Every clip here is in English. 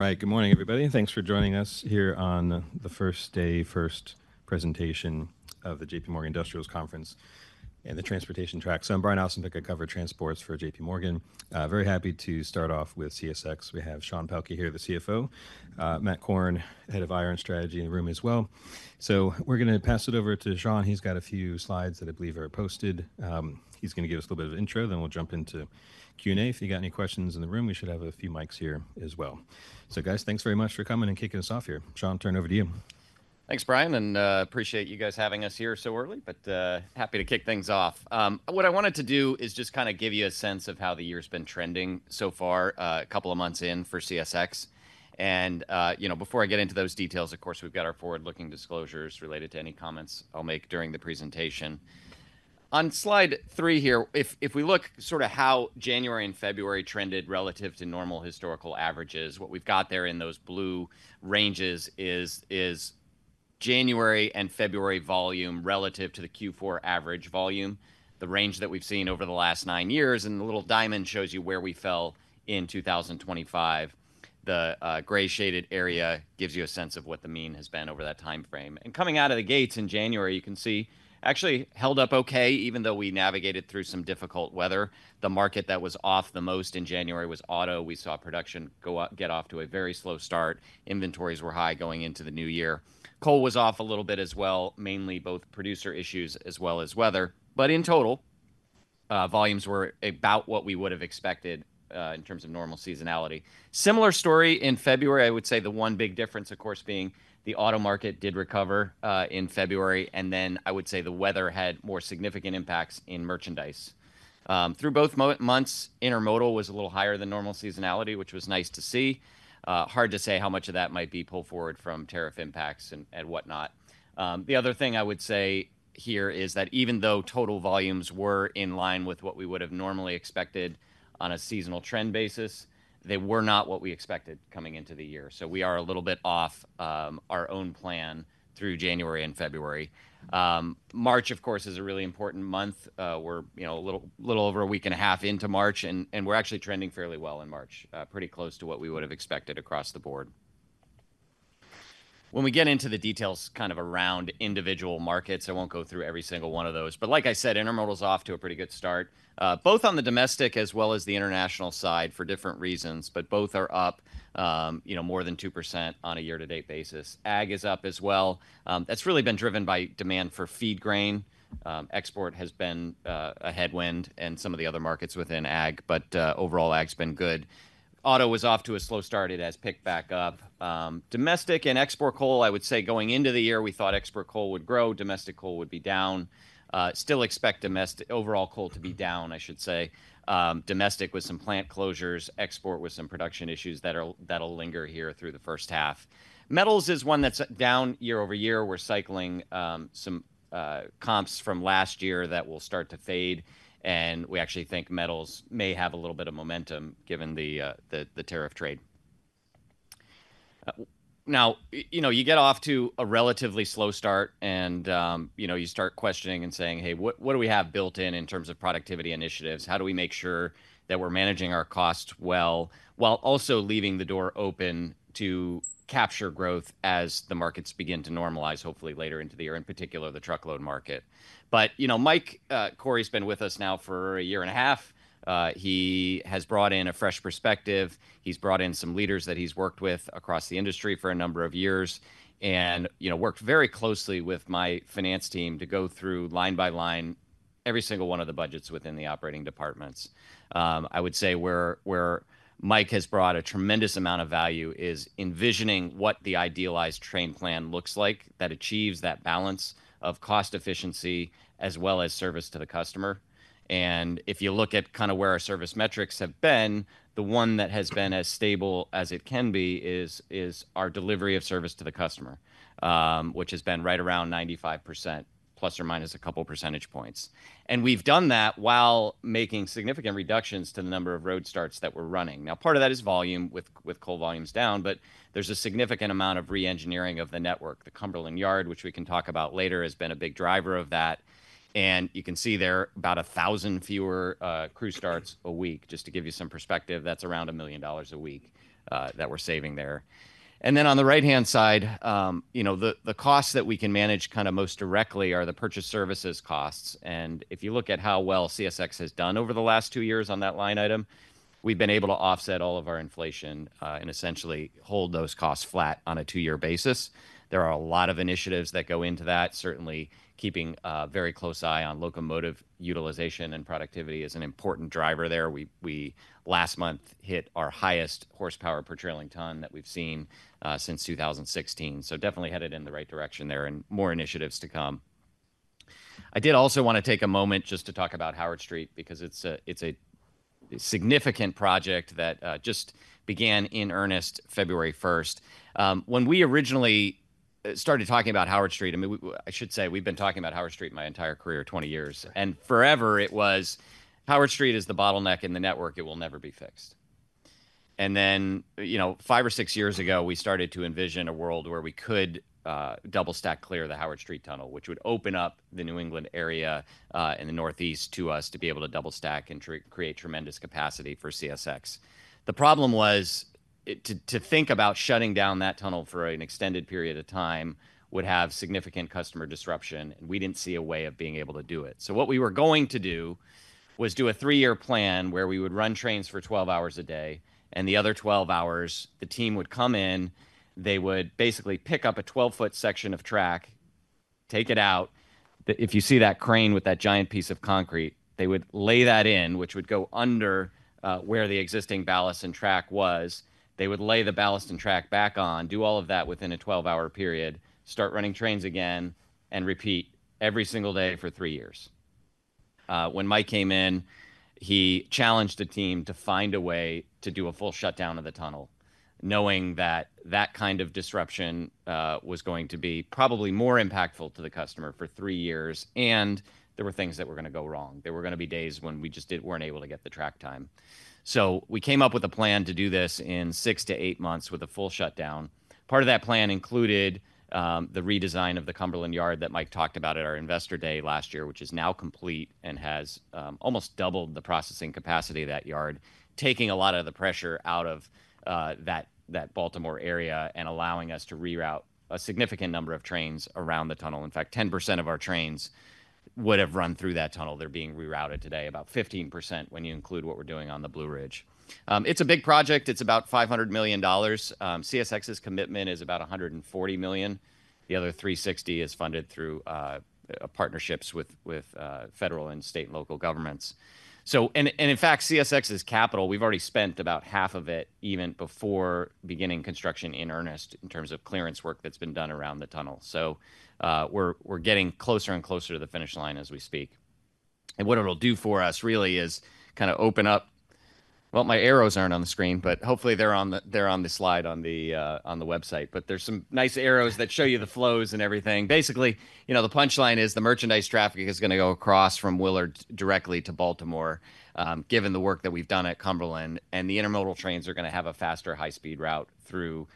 All right, good morning, everybody. Thanks for joining us here on the first day, first presentation of the JPMorgan Industrials Conference and the Transportation Track. I'm Brian Ossenbeck, I cover transports for JPMorgan. Very happy to start off with CSX. We have Sean Pelkey here, the CFO, Matt Korn, Head of IR and Strategy in the room as well. We're going to pass it over to Sean. He's got a few slides that I believe are posted. He's going to give us a little bit of intro, then we'll jump into Q&A. If you've got any questions in the room, we should have a few mics here as well. Guys, thanks very much coming and kicking us off here. Sean, turn it over to you. Thanks, Brian, and appreciate you guys having us here so early, but happy to kick things off. What I wanted to do is just kind of give you a sense of how the year's been trending so far, a couple of months in for CSX. Before I get into those details, of course, we've got our forward-looking disclosures related to any comments I'll make during the presentation. On slide three here, if we look sort of how January and February trended relative to normal historical averages, what we've got there in those blue ranges is January and February volume relative to the Q4 average volume, the range that we've seen over the last nine years. The little diamond shows you where we fell in 2025. The gray shaded area gives you a sense of what the mean has been over that time frame. Coming out of the gates in January, you can see actually held up okay, even though we navigated through some difficult weather. The market that was off the most in January was auto. We saw production get off to a very slow start. Inventories were high going into the new year. Coal was off a little bit as well, mainly both producer issues as well as weather. In total, volumes were about what we would have expected in terms of normal seasonality. Similar story in February, I would say the one big difference, of course, being the auto market did recover in February. I would say the weather had more significant impacts in merchandise. Through both months, intermodal was a little higher than normal seasonality, which was nice to see. Hard to say how much of that might be pulled forward from tariff impacts and whatnot. The other thing I would say here is that even though total volumes were in line with what we would have normally expected on a seasonal trend basis, they were not what we coming into the year. We are a little bit off our own plan through January and February. March, of course, is a really important month. We are a little over a week and a half into March, and we are actually trending fairly well in March, pretty close to what we would have expected across the board. When we get into the details kind of around individual markets, I will not go through every single one of those. Like I said, intermodal is off to a pretty good start, both on the domestic as well as the international side for different reasons, but both are up more than 2% on a year-to-date basis. Ag is up as well. That's really been driven by demand for feed grain. Export has been a headwind and some of the other markets within ag, but overall ag's been good. Auto was off to a slow start. It has picked back up. Domestic and export coal, I would say going into the year, we thought export coal would grow. Domestic coal would be down. Still expect overall coal to be down, I should say. Domestic with some plant closures. Export with some production issues that'll linger here through the first half. Metals is one that's down year-over-year. We're cycling some comps from last year that will start to fade. I actually think metals may have a little bit of momentum given the tariff trade. Now, you get off to a relatively slow start, and you start questioning and saying, "Hey, what do we have built in in terms of productivity initiatives? How do we make sure that we're managing our costs well while also leaving the door open to capture growth as the markets begin to normalize, hopefully later into the year, in particular the truckload market?" Mike Cory's been with us now for a year and a half. He has brought in a fresh perspective. He's brought in some leaders that he's worked with across the industry for a number of years and worked very closely with my finance team to go through line by line every single one of the budgets within the operating departments. I would say where Mike has brought a tremendous amount of value is envisioning what the idealized train plan looks like that achieves that balance of cost efficiency as well as service to the customer. If you look at kind of where our service metrics have been, the one that has been as stable as it can be is our delivery of service to the customer, which has been right around 95%, plus or minus a couple percentage points. We've done that while making significant reductions to the number of road starts that we're running. Part of that is volume with coal volumes down, but there's a significant amount of re-engineering of the network. The Cumberland Yard, which we can talk about later, has been a big driver of that. You can see there are about 1,000 fewer crew starts a week. Just to give you some perspective, that's around $1 million a week that we're saving there. On the right-hand side, the costs that we can manage kind of most directly are the purchase services costs. If you look at how well CSX has done over the last two years on that line item, we've been able to offset all of our inflation and essentially hold those costs flat on a two-year basis. There are a lot of initiatives that go into that. Certainly, keeping a very close eye on locomotive utilization and productivity is an important driver there. We last month hit our highest horsepower per trailing ton that we've seen since 2016. Definitely headed in the right direction there and more initiatives to come. I did also want to take a moment just to talk about Howard Street because it's a significant project that just began in earnest February 1st. When we originally started talking about Howard Street, I mean, I should say we've been talking about Howard Street my entire career, 20 years. And forever it was, "Howard Street is the bottleneck in the network. It will never be fixed." Five or six years ago, we started to envision a world where we could double-stack clear the Howard Street Tunnel, which would open up the New England area in the Northeast to us to be able to double-stack and create tremendous capacity for CSX. The problem was to think about shutting down that tunnel for an extended period of time would have significant customer disruption, and we didn't see a way of being able to do it. What we were going to do was do a three-year plan where we would run trains for 12 hours a day, and the other 12 hours, the team would come in, they would basically pick up a 12-foot section of track, take it out. If you see that crane with that giant piece of concrete, they would lay that in, which would go under where the existing ballast and track was. They would lay the ballast and track back on, do all of that within a 12-hour period, start running trains again, and repeat every single day for three years. When Mike came in, he challenged the team to find a way to do a full shutdown of the tunnel, knowing that that kind of disruption was going to be probably more impactful to the customer for three years, and there were things that were going to go wrong. There were going to be days when we just were not able to get the track time. We came up with a plan to do this in 6 months-8 months with a full shutdown. Part of that plan included the redesign of the Cumberland Yard that Mike talked about at our investor day last year, which is now complete and has almost doubled the processing capacity of that yard, taking a lot of the pressure out of that Baltimore area and allowing us to reroute a significant number of trains around the tunnel. In fact, 10% of our trains would have run through that tunnel. They are being rerouted today, about 15% when you include what we are doing on the Blue Ridge. It is a big project. It is about $500 million. CSX's commitment is about $140 million. The other $360 million is funded through partnerships with federal and state and local governments. In fact, CSX's capital, we've already spent about half of it even before beginning construction in earnest in terms of clearance work that's been done around the tunnel. We're getting closer and closer to the finish line as we speak. What it'll do for us really is kind of open up, my arrows aren't on the screen, but hopefully they're on the slide on the website. There's some nice arrows that show you the flows and everything. Basically, the punchline is the merchandise traffic is going to go across from Willard directly to Baltimore, given the work that we've done at Cumberland. The intermodal trains are going to have a faster high-speed route through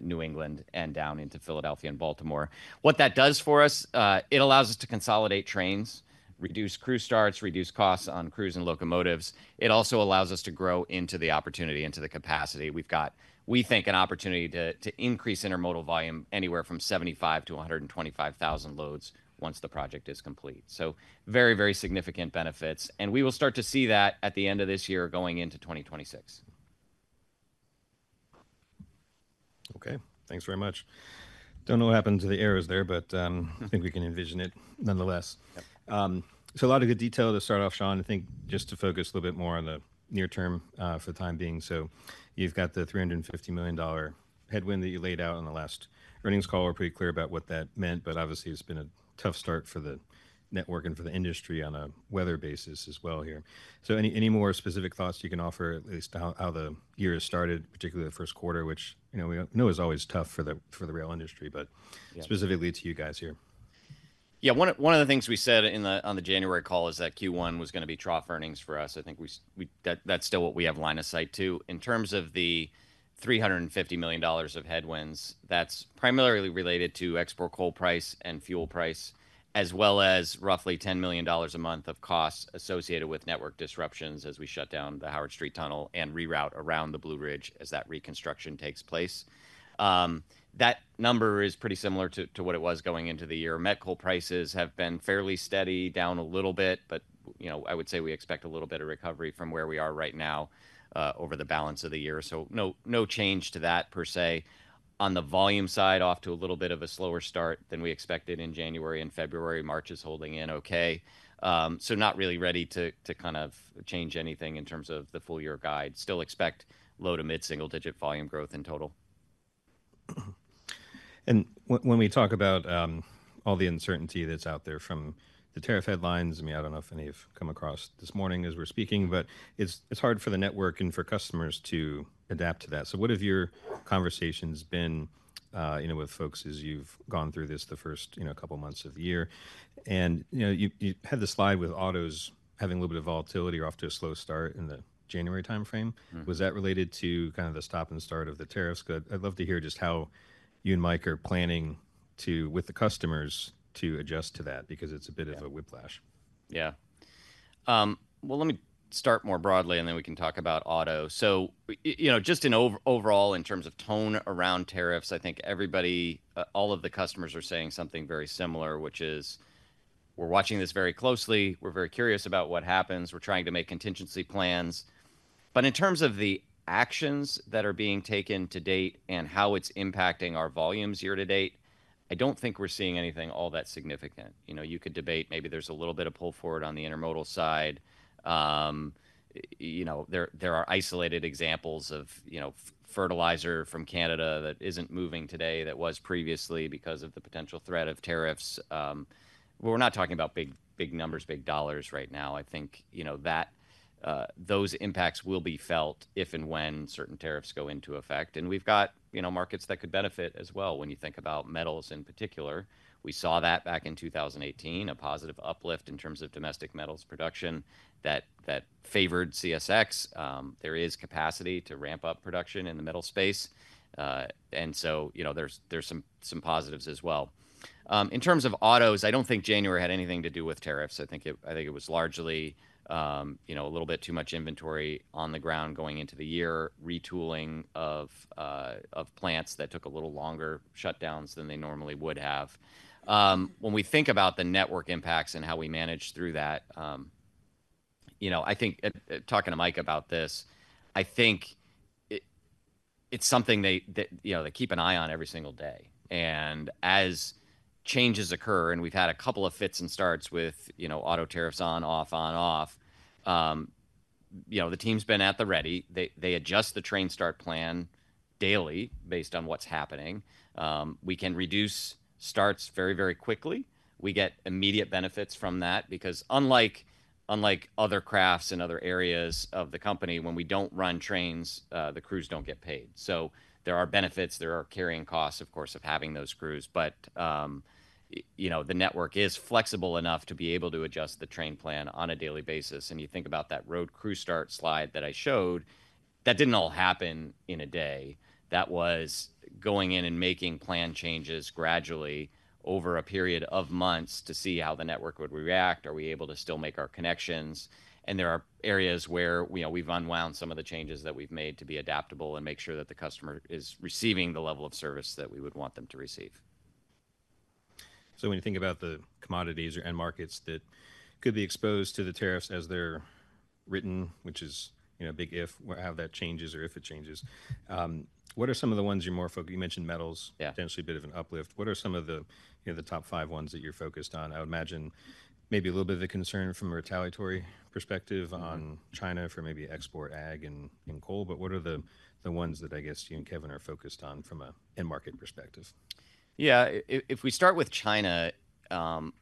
New England and down into Philadelphia and Baltimore. What that does for us, it allows us to consolidate trains, reduce crew starts, reduce costs on crews and locomotives. It also allows us to grow into the opportunity, into the capacity. We've got, we think, an opportunity to increase intermodal volume anywhere from 75,000 loads-125,000 loads once the project is complete. Very, very significant benefits. We will start to see that at the end of this year going into 2026. Okay. Thanks very much. Do not know what happened to the arrows there, but I think we can envision it nonetheless. A lot of good detail to start off, Sean. I think just to focus a little bit more on the near term for the time being. You have the $350 million headwind that you laid out on the last earnings call. We are pretty clear about what that meant, but obviously it has been a tough start for the network and for the industry on a weather basis as well here. Any more specific thoughts you can offer, at least how the year has started, particularly the first quarter, which we know is always tough for the rail industry, but specifically to you guys here. Yeah, one of the things we said on the January call is that Q1 was going to be trough earnings for us. I think that's still what we have line of sight to. In terms of the $350 million of headwinds, that's primarily related to export coal price and fuel price, as well as roughly $10 million a month of costs associated with network disruptions as we shut down the Howard Street Tunnel and reroute around the Blue Ridge as that reconstruction takes place. That number is similar to what it was going into the year. Met coal prices have been fairly steady, down a little bit, but I would say we expect a little bit of recovery from where we are right now over the balance of the year. No change to that per se. On the volume side, off to a little bit of a slower start than we expected in January and February. March is holding in okay. Not really ready to kind of change anything in terms of the full year guide. Still expect low to mid-single-digit volume growth in total. When we talk about all the uncertainty that's out there from the tariff headlines, I mean, I don't know if any have come across this morning as we're speaking, but it's hard for the network and for customers to adapt to that. What have your conversations been with folks as you've gone through this the first couple of months of the year? You had the slide with autos having a little bit of volatility off to a slow start in the January timeframe. Was that related to kind of the stop and start of the tariffs? I'd love to hear just how you and Mike are planning with the customers to adjust to that because it's a bit of a whiplash. Yeah. Let me start more broadly, and then we can talk about auto. Just overall, in terms of tone around tariffs, I think all of the customers are saying something similar, which is we're watching this very closely. We're very curious about what happens. We're trying to make contingency plans. In terms of the actions that are being taken to date and how it's impacting our volumes year-to-date, I don't think we're seeing anything all that significant. You could debate maybe there's a little bit of pull forward on the intermodal side. There are isolated examples of fertilizer from Canada that isn't moving today that was previously because of the potential threat of tariffs. We're not talking about big numbers, big dollars right now. I think those impacts will be felt if and when certain tariffs go into effect. We have markets that could benefit as well when you think about metals in particular. We saw that back in 2018, a positive uplift in terms of domestic metals production that favored CSX. There is capacity to ramp up production in the metal space. There are some positives as well. In terms of autos, I do not think January had anything to do with tariffs. I think it was largely a little bit too much inventory on the ground going into the year, retooling of plants that took a little longer shutdowns than they normally would have. When we think about the network impacts and how we managed through that, I think talking to Mike about this, I think it is something they keep an eye on every single day. As changes occur, and we've had a couple of fits and starts with auto tariffs on, off, on, off, the team's been at the ready. They adjust the train start plan daily based on what's happening. We can reduce starts very, very quickly. We get immediate benefits from that because unlike other crafts in other areas of the company, when we don't run trains, the crews don't get paid. There are benefits. There are carrying costs, of course, of having those crews. The network is flexible enough to be able to adjust the train plan on a daily basis. You think about that road crew start slide that I showed, that didn't all happen in a day. That was going in and making plan changes gradually over a period of months to see how the network would react. Are we able to still make our connections? There are areas where we've unwound some of the changes that we've made to be adaptable and make sure that the customer is receiving the level of service that we would want them to receive. When you think about the commodities and markets that could be exposed to the tariffs as they're written, which is a big if, how that changes or if it changes, what are some of the ones you're more focused on? You mentioned metals, potentially a bit of an uplift. What are some of the top five ones that you're focused on? I would imagine maybe a little bit of a concern from a retaliatory perspective on China for maybe export ag and coal. What are the ones that I guess you and Kevin are focused on from a market perspective? Yeah, if we start with China,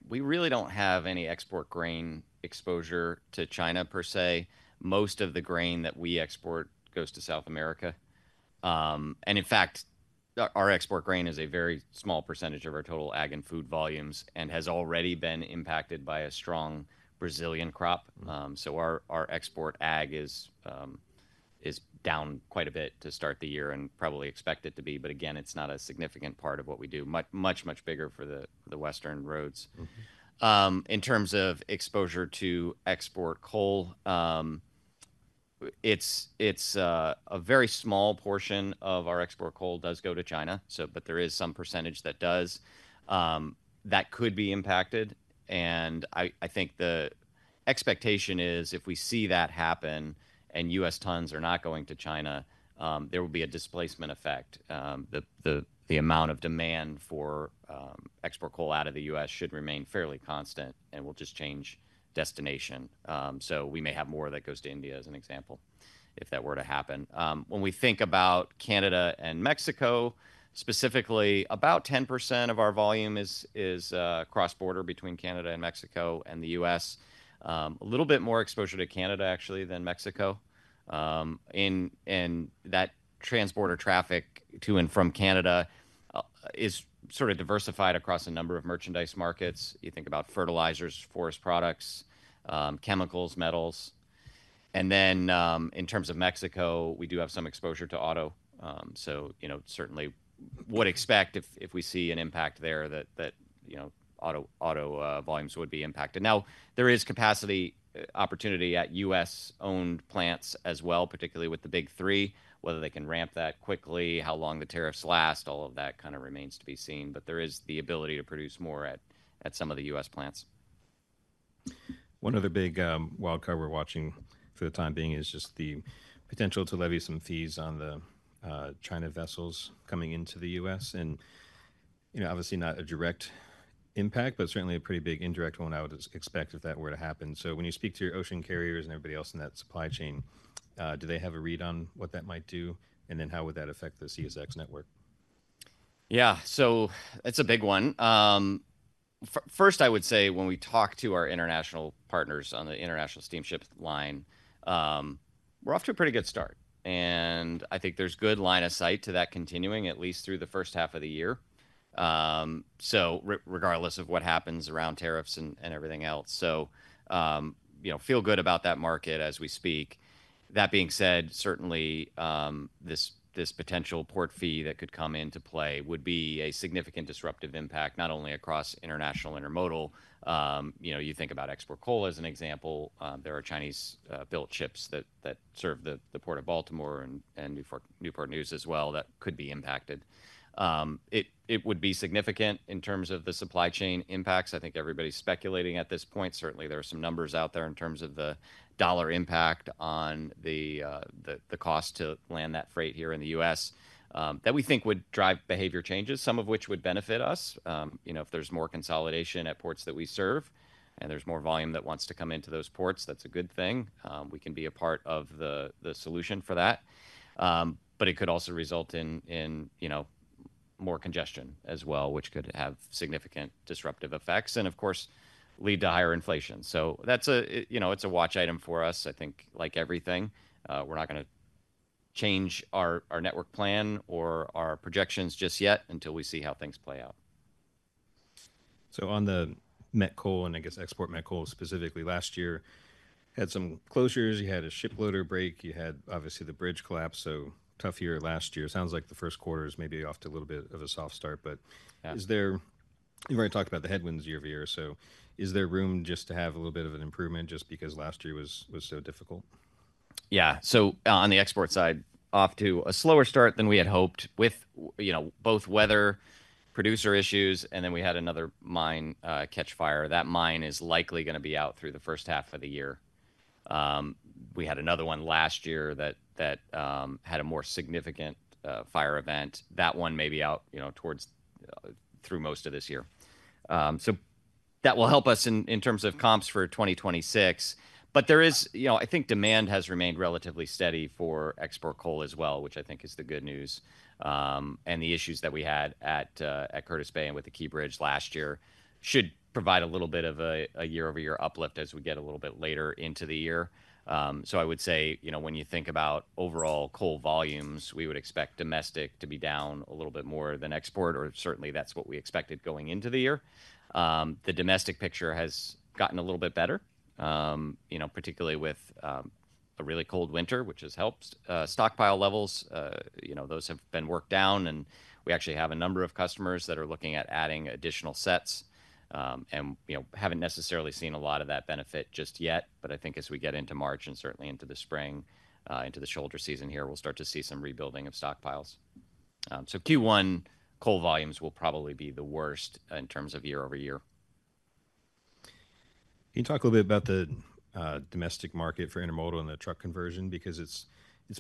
we really don't have any export grain exposure to China per se. Most of the grain that we export goes to South America. In fact, our export grain is a very small percentage of our total ag and food volumes and has already been impacted by a strong Brazilian crop. Our export ag is down quite a bit to start the year and probably expect it to be. Again, it's not a significant part of what we do. Much, much bigger for the Western roads. In terms of exposure to export coal, it's a very small portion of our export coal that does go to China. There is some percentage that does that could be impacted. I think the expectation is if we see that happen and U.S. tons are not going to China, there will be a displacement effect. The amount of demand for export coal out of the U.S. should remain fairly constant and will just change destination. We may have more that goes to India, as an example, if that were to happen. When we think about Canada and Mexico, specifically, about 10% of our volume is cross-border between Canada and Mexico and the U.S. A little bit more exposure to Canada, actually, than Mexico. That trans-border traffic to and from Canada is sort of diversified across a number of merchandise markets. You think about fertilizers, forest chemicals, metals. In terms of Mexico, we do have some exposure to auto. Certainly would expect if we see an impact there that auto volumes would be impacted. Now, there is capacity opportunity at U.S.-owned plants as well, particularly with the big three, whether they can ramp that quickly, how long the tariffs last, all of that kind of remains to be seen. There is the ability to produce more at some of the U.S. plants. One other big wildcard we're watching for the time being is just the potential to levy some fees on the China coming into the U.S. Obviously not a direct impact, but certainly a pretty big indirect one I would expect if that were to happen. When you speak to your ocean carriers and everybody else in that supply chain, do they have a read on what that might do? How would that affect the CSX network? Yeah, so it's a big one. First, I would say when we talk to our international partners on the international steamship line, we're off to a pretty good start. I think there's good line of sight to that continuing, at least through the first half of the year, regardless of what happens around tariffs and everything else. Feel good about that market as we speak. That being said, certainly this potential port fee that could come into play would be a significant disruptive impact, not only across international intermodal. You think about export coal, as an example. There are Chinese-built ships that serve the Port of Baltimore and Newport News as well that could be impacted. It would be significant in terms of the supply chain impacts. I think everybody's speculating at this point. Certainly, there are some numbers out there in terms of the dollar impact on the cost to land that freight here in the U.S. that we think would drive behavior changes, some of which would benefit us. If there's more consolidation at ports that we serve and there's more volume that wants to come into those ports, that's a good thing. We can be a part of the solution for that. It could also result in more congestion as well, which could have significant disruptive effects and, of course, lead to higher inflation. It is a watch item for us. I think like everything, we're not going to change our network plan or our projections just yet until we see how things play out. On the met coal, and I guess export met coal specifically, last year had some closures. You had a ship loader break. You had obviously the bridge collapse. Tough year last year. Sounds like the first quarter is maybe off to a little bit of a soft start. You have already talked about the headwinds year-over-year. Is there room just to have a little bit of an improvement just because last year was so difficult? Yeah. On the export side, off to a slower start than we had hoped with both weather, producer issues, and then we had another mine catch fire. That mine is likely going to be out through the first half of the year. We had another one last year that had a more significant fire event. That one may be out through most of this year. That will help us in terms of comps for 2026. I think demand has remained relatively steady for export coal as well, which I think is the good news. The issues that we had at Curtis Bay and with the Key Bridge last year should provide a little bit of a year-over-year uplift as we get a little bit later into the year. I would say when you think about overall coal volumes, we would expect domestic to be down a little bit more than export, or certainly that's what we expected going into the year. The domestic picture has gotten a little bit better, particularly with a really cold winter, which has helped stockpile levels. Those have been worked down. We actually have a number of customers that are looking at adding additional sets and haven't necessarily seen a lot of that benefit just yet. I think as we get into March and certainly into the spring, into the shoulder season here, we'll start to see some rebuilding of stockpiles. Q1 coal volumes will probably be the worst in terms of year-over-year. Can you talk a little bit about the domestic market for intermodal and the truck conversion? Because it's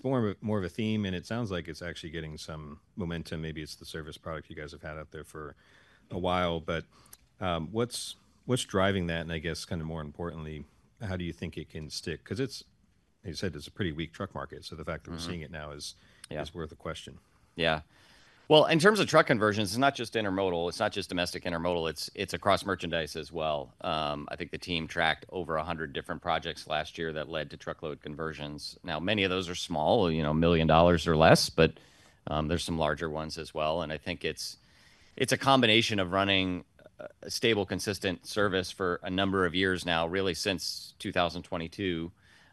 more of a theme, and it sounds like it's actually getting some momentum. Maybe it's the service product you guys have had out there for a while. What's driving that? I guess kind of more importantly, how do you think it can stick? Because it's, as you said, it's a pretty weak truck market. The fact that we're seeing it now is worth a question. Yeah. In terms of truck conversions, it's not just intermodal. It's not just domestic intermodal. It's across merchandise as well. I think the team tracked over 100 different projects last year that led to truckload conversions. Now, many of those are small, $1 million or less, but there's some larger ones as well. I think it's a combination of running a stable, consistent service for a number of years now, really since 2022,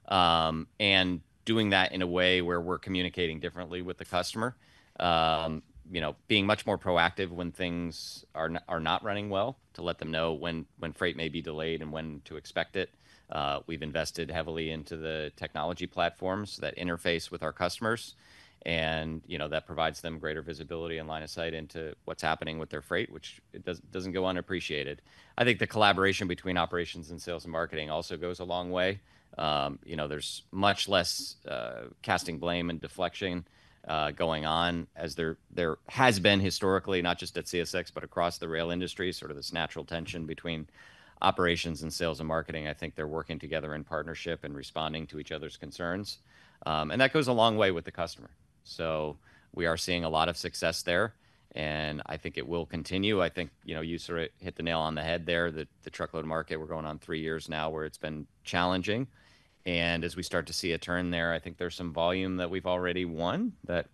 and doing that in a way where we're communicating differently with the customer, being much more proactive when things are not running well to let them know when freight may be delayed and when to expect it. We've invested heavily into the technology platforms that interface with our customers, and that provides them greater visibility and line of sight into what's happening with their freight, which doesn't go unappreciated. I think the collaboration between operations and sales and marketing also goes a long way. There is much less casting blame and deflection going on, as there has been historically, not just at CSX, but across the rail industry, sort of this natural tension between operations and sales and marketing. I think they are working together in partnership and responding to each other's concerns. That goes a long way with the customer. We are seeing a lot of success there, and I think it will continue. I think you sort of hit the nail on the head there. The truckload market, we are going on three years now where it has been challenging. As we start to see a turn there, I think there's some volume that we've already won that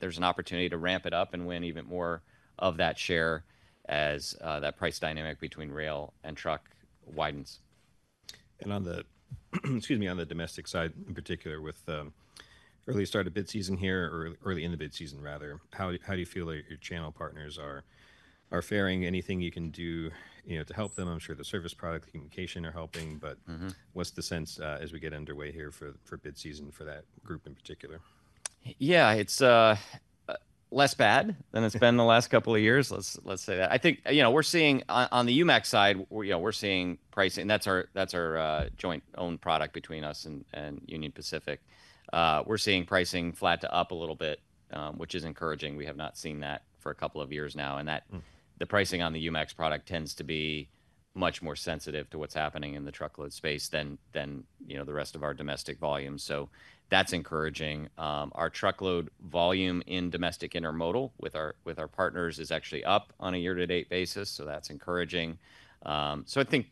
there's an opportunity to ramp it up and win even more of that share as that price dyna mic between rail and truck widens. On the domestic side in particular, with early start of bid season here or early in the bid season rather, how do you feel that your channel partners are faring? Anything you can do to help them? I'm sure the service product, communication are helping, but what's the sense as we get underway here for bid season for that group in particular? Yeah, it's less bad than it's been the last couple of years, let's say that. I think we're seeing on the UMAX side, we're seeing pricing, and that's our joint-owned product between us and Union Pacific. We're seeing pricing flat to up a little bit, which is encouraging. We have not seen that for a couple of years now. The pricing on the UMAX product tends to be much more sensitive to what's happening in the truckload space than the rest of our domestic volume. That's encouraging. Our truckload volume in domestic intermodal with our partners is actually up on a year-to-date basis. That's encouraging. I think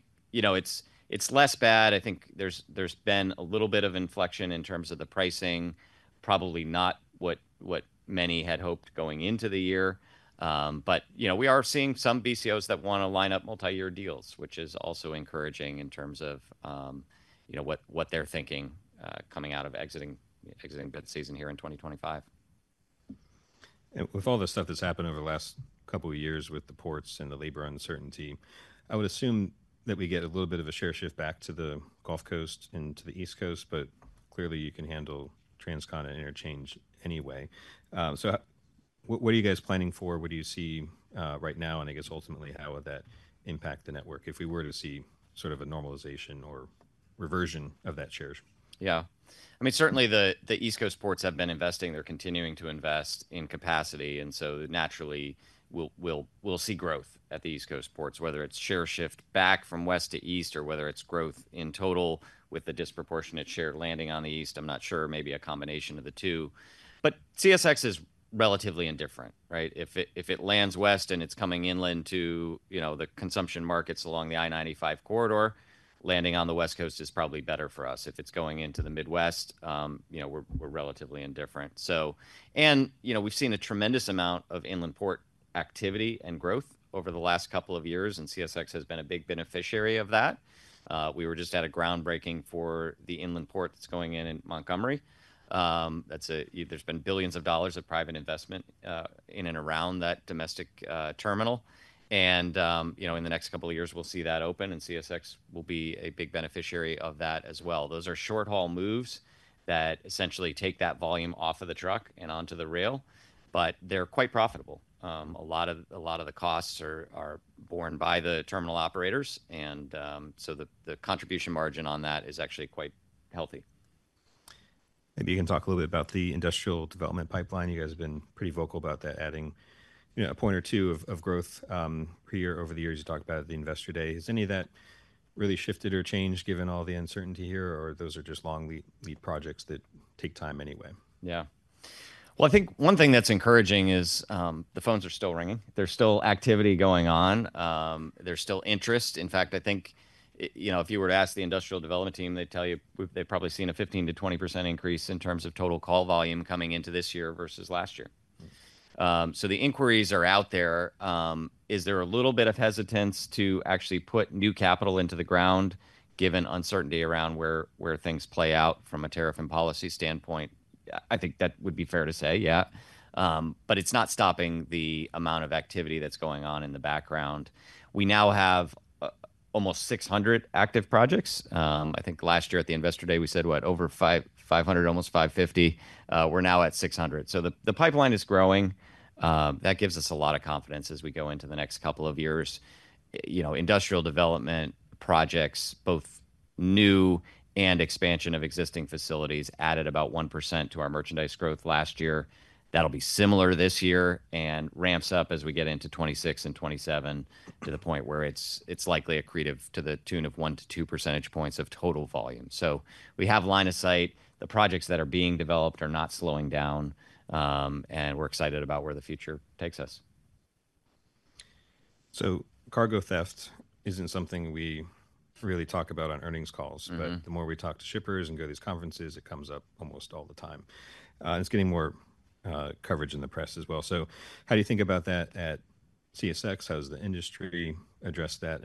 it's less bad. I think there's been a little bit of inflection in terms of the pricing, probably not what many had hoped going into the year. We are seeing some BCOs that want to line up multi-year deals, which is also encouraging in terms of what they're coming out of exiting bid season here in 2025. With all the stuff that's happened over the last couple of years with the ports and the labor uncertainty, I would assume that we get a little bit of a share shift back to the Gulf Coast and to the East Coast, but clearly you can handle transcontinental interchange anyway. What are you guys planning for? What do you see right now? I guess ultimately, how would that impact the network if we were to see sort of a normalization or reversion of that share? Yeah. I mean, certainly the East Coast ports have been investing. They're continuing to invest in capacity. Naturally, we'll see growth at the East Coast ports, whether it's share shift back from west to east or whether it's growth in total with the disproportionate share landing on the east. I'm not sure, maybe a combination of the two. CSX is relatively indifferent, right? If it lands west and coming inland to the consumption markets along the I-95 corridor, landing on the West Coast is probably better for us. If it's going into the Midwest, we're relatively indifferent. We've seen a tremendous amount of inland port activity and growth over the last couple of years, and CSX has been a big beneficiary of that. We were just at a groundbreaking for the inland port that's going in in Montgomery. There's been billions of dollars of private investment in and around that domestic ter minal. In the next couple of years, we'll see that open, and CSX will be a big beneficiary of that as well. Those are short-haul moves that essentially take that volume off of the truck and onto the rail, but they're quite profitable. A lot of the costs are borne by the ter minal operators. The contribution margin on that is actually quite healthy. Maybe you can talk a little bit about the industrial development pipeline. You guys have been pretty vocal about that, adding a point or two of growth here over the years. You talked about the investor day. Has any of that really shifted or changed given all the uncertainty here, or those are just long lead projects that take time anyway? Yeah. I think one thing that's encouraging is the phones are still ringing. There's still activity going on. There's still interest. In fact, I think if you were to ask the industrial development team, they'd tell you they've probably seen a 15%-20% increase in terms of total call coming into this year versus last year. The inquiries are out there. Is there a little bit of hesitance to actually put new capital into the ground given uncertainty around where things play out from a tariff and policy standpoint? I think that would be fair to say, yeah. It's not stopping the amount of activity that's going on in the background. We now have almost 600 active projects. I think last year at the investor day, we said, what, over 500, almost 550. We're now at 600. The pipeline is growing. That gives us a lot of confidence as we go into the next couple of years. Industrial development projects, both new and expansion of existing facilities, added about 1% to our merchandise growth last year. That will similar this year and ramps up as we get into 2026 and 2027 to the point where it is likely accretive to the tune of 1-2 percentage points of total volume. We have line of sight. The projects that are being developed are not slowing down, and we are excited about where the future takes us. Cargo theft isn't something we really talk about on earnings calls, but the more we talk to shippers and go to these conferences, it comes up almost all the time. It is getting more coverage in the press as well. How do you think about that at CSX? How does the industry address that?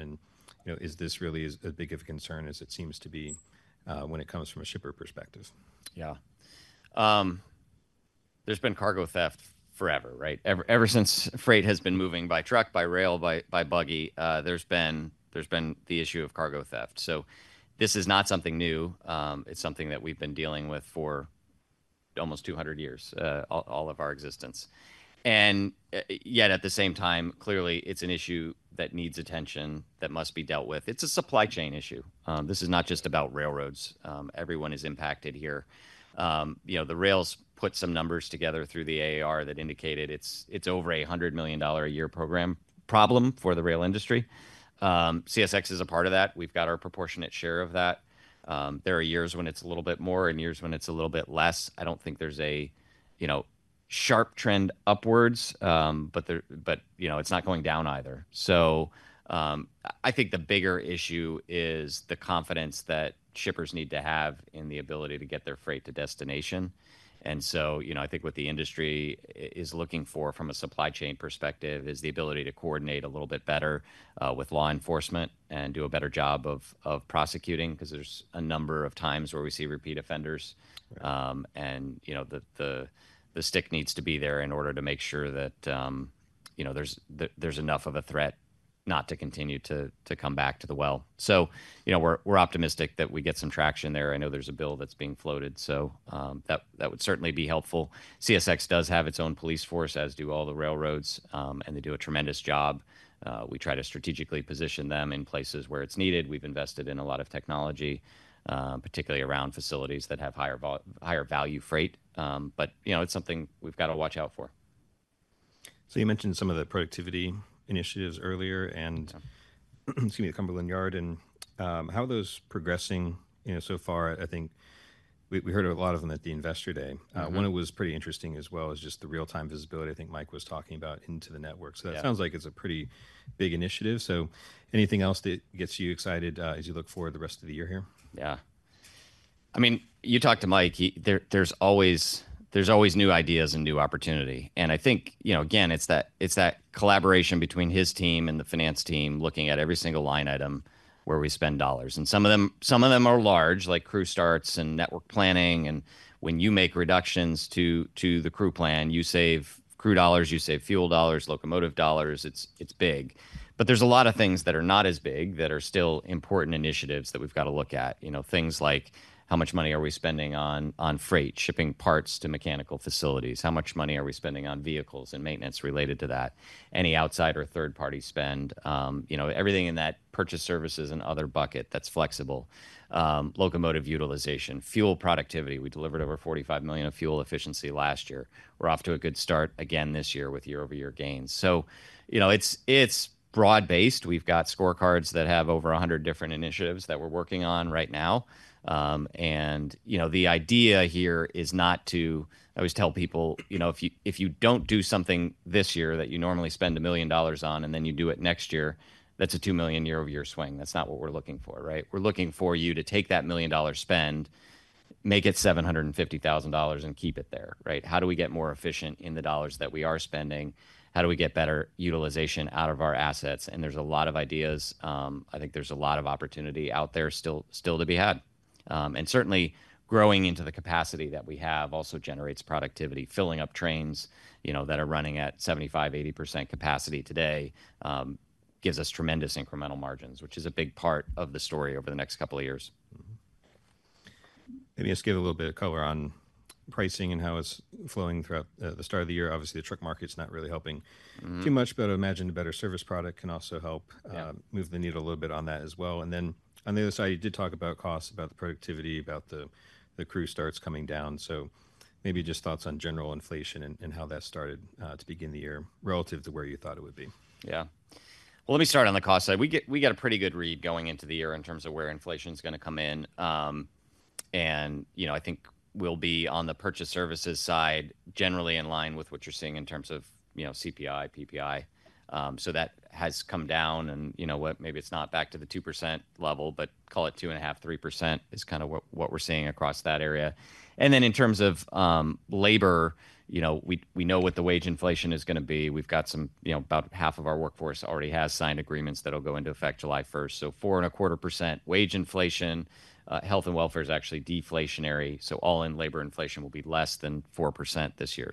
Is this really as big of a concern as it seems to be when it comes from a shipper perspective? Yeah. There's been cargo theft forever, right? Ever since freight has been moving by truck, by rail, by buggy, there's been the issue of cargo theft. This is not something new. It's something that we've been dealing with for almost 200 years, all of our existence. Yet at the same time, clearly, it's an issue that needs attention that must be dealt with. It's a supply chain issue. This is not just about railroads. Everyone is impacted here. The rails put some numbers together through the AAR that indicated it's over a $100 million a year problem for the rail industry. CSX is a part of that. We've got our proportionate share of that. There are years when it's a little bit more and years when it's a little bit less. I don't think there's a sharp trend upwards, but it's not going down either. I think the bigger issue is the confidence that shippers need to have in the ability to get their freight to destination. I think what the industry is looking for from a supply chain perspective is the ability to coordinate a little bit better with law enforcement and do a better job of prosecuting because there are a number of times where we see repeat offenders. The stick needs to be there in order to make sure that there is enough of a threat not to continue to come back to the well. We are opti mistic that we get some traction there. I know there is a bill that is being floated, so that would certainly be helpful. CSX does have its own police force, as do all the railroads, and they do a tremendous job. We try to strategically position them in places where it is needed. We've invested in a lot of technology, particularly around facilities that have higher value freight. It is something we've got to watch out for. You mentioned some of the productivity initiatives earlier and excuse me, the Cumberland Yard. How are those progressing so far? I think we heard a lot of them at the investor day. One that was pretty interesting as well is just the real-time visibility I think Mike was talking about into the network. That sounds like it's a pretty big initiative. Anything else that gets you excited as you look forward to the rest of the year here? Yeah. I mean, you talk to Mike, there's always new ideas and new opportunity. I think, again, it's that collaboration between his team and the finance team looking at every single line item where we spend dollars. Some of them are large, like crew starts and network planning. When you make reductions to the crew plan, you save crew dollars, you save fuel dollars, locomotive dollars. It's big. There are a lot of things that are not as big that are still important initiatives that we've got to look at. Things like how much money are we spending on freight, shipping parts to mechanical facilities? How much money are we spending on vehicles and maintenance related to that? Any outside or third-party spend? Everything in that purchase services and other bucket that's flexible. Locomotive utilization, fuel productivity. We delivered over $45 million of fuel efficiency last year. We're off to a good start again this year with year-over-year gains. It’s broad-based. We've got scorecards that have over 100 different initiatives that we're working on right now. The idea here is not to, I always tell people, if you don't do something this year that you normally spend $1 million on and then you do it next year, that's a $2 million year-over-year swing. That's not what we're looking for, right? We're looking for you to take that $1 million spend, make it $750,000, and keep it there, right? How do we get more efficient in the dollars that we are spending? How do we get better utilization out of our assets? There's a lot of ideas. I think there's a lot of opportunity out there still to be had. Certainly, growing into the capacity that we have also generates productivity. Filling up trains that are running at 75%-80% capacity today gives us tremendous incremental margins, which is a big part of the story over the next couple of years. Maybe just give a little bit of color on pricing and how it's flowing throughout the start of the year. Obviously, the truck market's not really helping too much, but I imagine a better service product can also help move the needle a little bit on that as well. On the other side, you did talk about costs, about the productivity, about the crew coming down. Maybe just thoughts on general inflation and how that started to begin the year relative to where you thought it would be. Yeah. Let me start on the cost side. We got a pretty good read going into the year in terms of where inflation's going to come in. I think we'll be on the purchase services side generally in line with what you're seeing in terms of CPI, PPI. That has come down. Maybe it's not back to the 2% level, but call it 2.5%-3% is kind of what we're seeing across that area. In terms of labor, we know what the wage inflation is going to be. We've got about half of our workforce already has signed agreements that will go into effect July 1st. 4.25% wage inflation. Health and welfare is actually deflationary. All-in labor inflation will be less than 4% this year.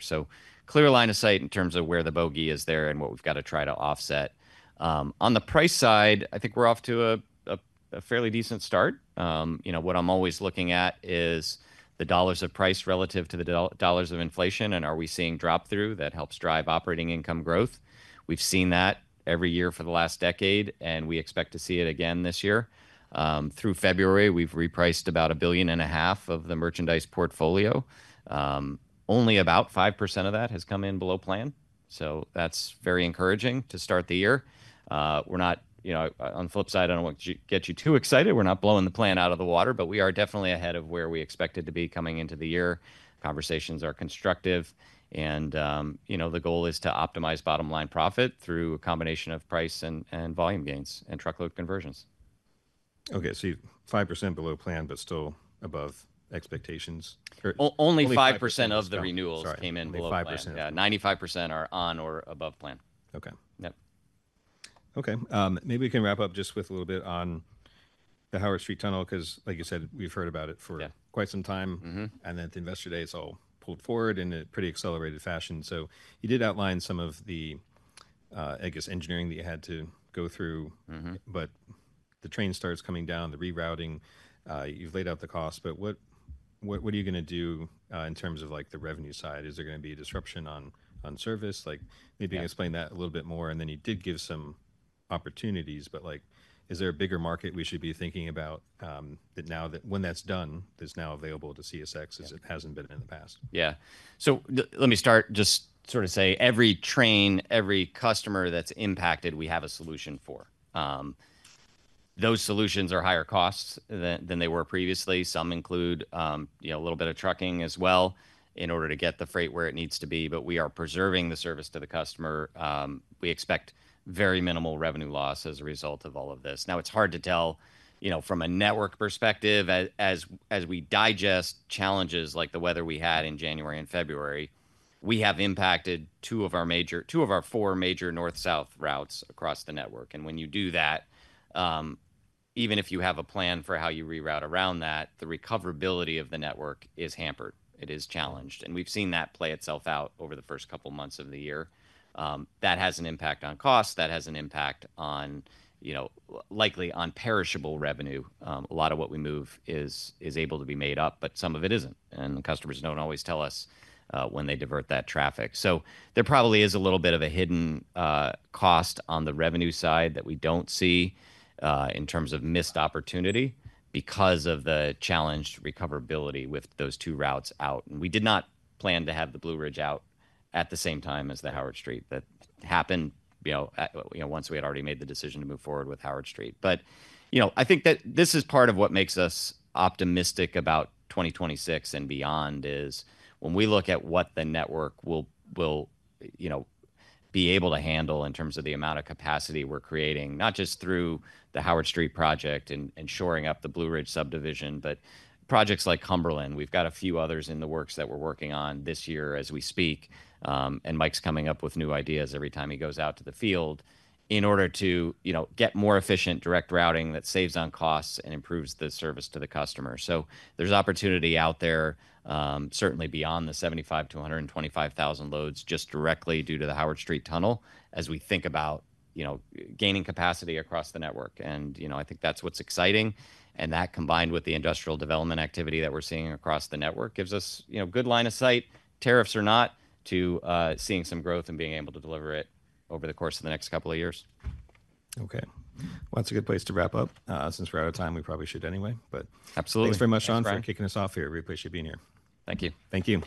Clear line of sight in terms of where the bogey is there and what we've got to try to offset. On the price side, I think we're off to a fairly decent start. What I'm always looking at is the dollars of price relative to the dollars of inflation, and are we seeing drop-through that helps drive operating income growth? We've seen that every year for the last decade, and we expect to see it again this year. Through February, we've repriced about $1.5 billion of the merchandise portfolio. Only about 5% of that has come in below plan. That's very encouraging to start the year. On the flip side, I don't want to get you too excited. We're not blowing the plan out of the water, but we are definitely ahead of where we expected to coming into the year. Conversations are constructive. The goal is to opti mize bottom-line profit through a combination of price and volume gains and truckload conversions. Okay. 5% below plan, but still above expectations. Only 5% of the renewals came in below plan. Only 5%. Yeah. 95% are on or above plan. Okay. Okay. Maybe we can wrap up just with a little bit on the Howard Street Tunnel because, like you said, we've heard about it for quite some time. At the investor day, it is all pulled forward in a pretty accelerated fashion. You did outline some of the, I guess, engineering that you had to go through, but the train coming down, the rerouting. You've laid out the cost, but what are you going to do in terms of the revenue side? Is there going to be a disruption on service? Maybe explain that a little bit more. You did give some opportunities, but is there a bigger market we should be thinking about now that when that's done, that's now available to CSX as it hasn't been in the past? Yeah. Let me start just sort of say every train, every customer that's impacted, we have a solution for. Those solutions are higher costs than they were previously. Some include a little bit of trucking as well in order to get the freight where it needs to be. We are preserving the service to the customer. We expect very minimal revenue loss as a result of all of this. Now, it's hard to tell from a network perspective as we digest challenges like the weather we had in January and February. We have impacted two of our four major north-south routes across the network. When you do that, even if you have a plan for how you reroute around that, the recoverability of the network is hampered. It is challenged. We have seen that play itself out over the first couple of months of the year. That has an impact on cost. That has an impact likely on perishable revenue. A lot of what we move is able to be made up, but some of it isn't. Customers don't always tell us when they divert that traffic. There probably is a little bit of a hidden cost on the revenue side that we don't see in terms of missed opportunity because of the challenged recoverability with those two routes out. We did not plan to have the Blue Ridge out at the same time as the Howard Street. That happened once we had already made the decision to move forward with Howard Street. I think that this is part of what makes us opti mistic about 2026 and beyond is when we look at what the network will be able to handle in terms of the amount of capacity we're creating, not just through the Howard Street project and shoring up the Blue Ridge subdivision, but projects like Cumberland. We've got a few others in the works that we're working on this year as we speak. coming up with new ideas every time he goes out to the field in order to get more efficient direct routing that saves on costs and improves the service to the customer. There is opportunity out there, certainly beyond the 75,000 loads-125,000 loads just directly due to the Howard Street Tunnel as we think about gaining capacity across the network. I think that's what's exciting. That combined with the industrial development activity that we're seeing across the network gives us good line of sight, tariffs or not, to seeing some growth and being able to deliver it over the course of the next couple of years. Okay. That is a good place to wrap up. Since we are out of time, we probably should anyway, but thanks very much, John, for kicking us off here. We appreciate being here. Thank you. Thank you.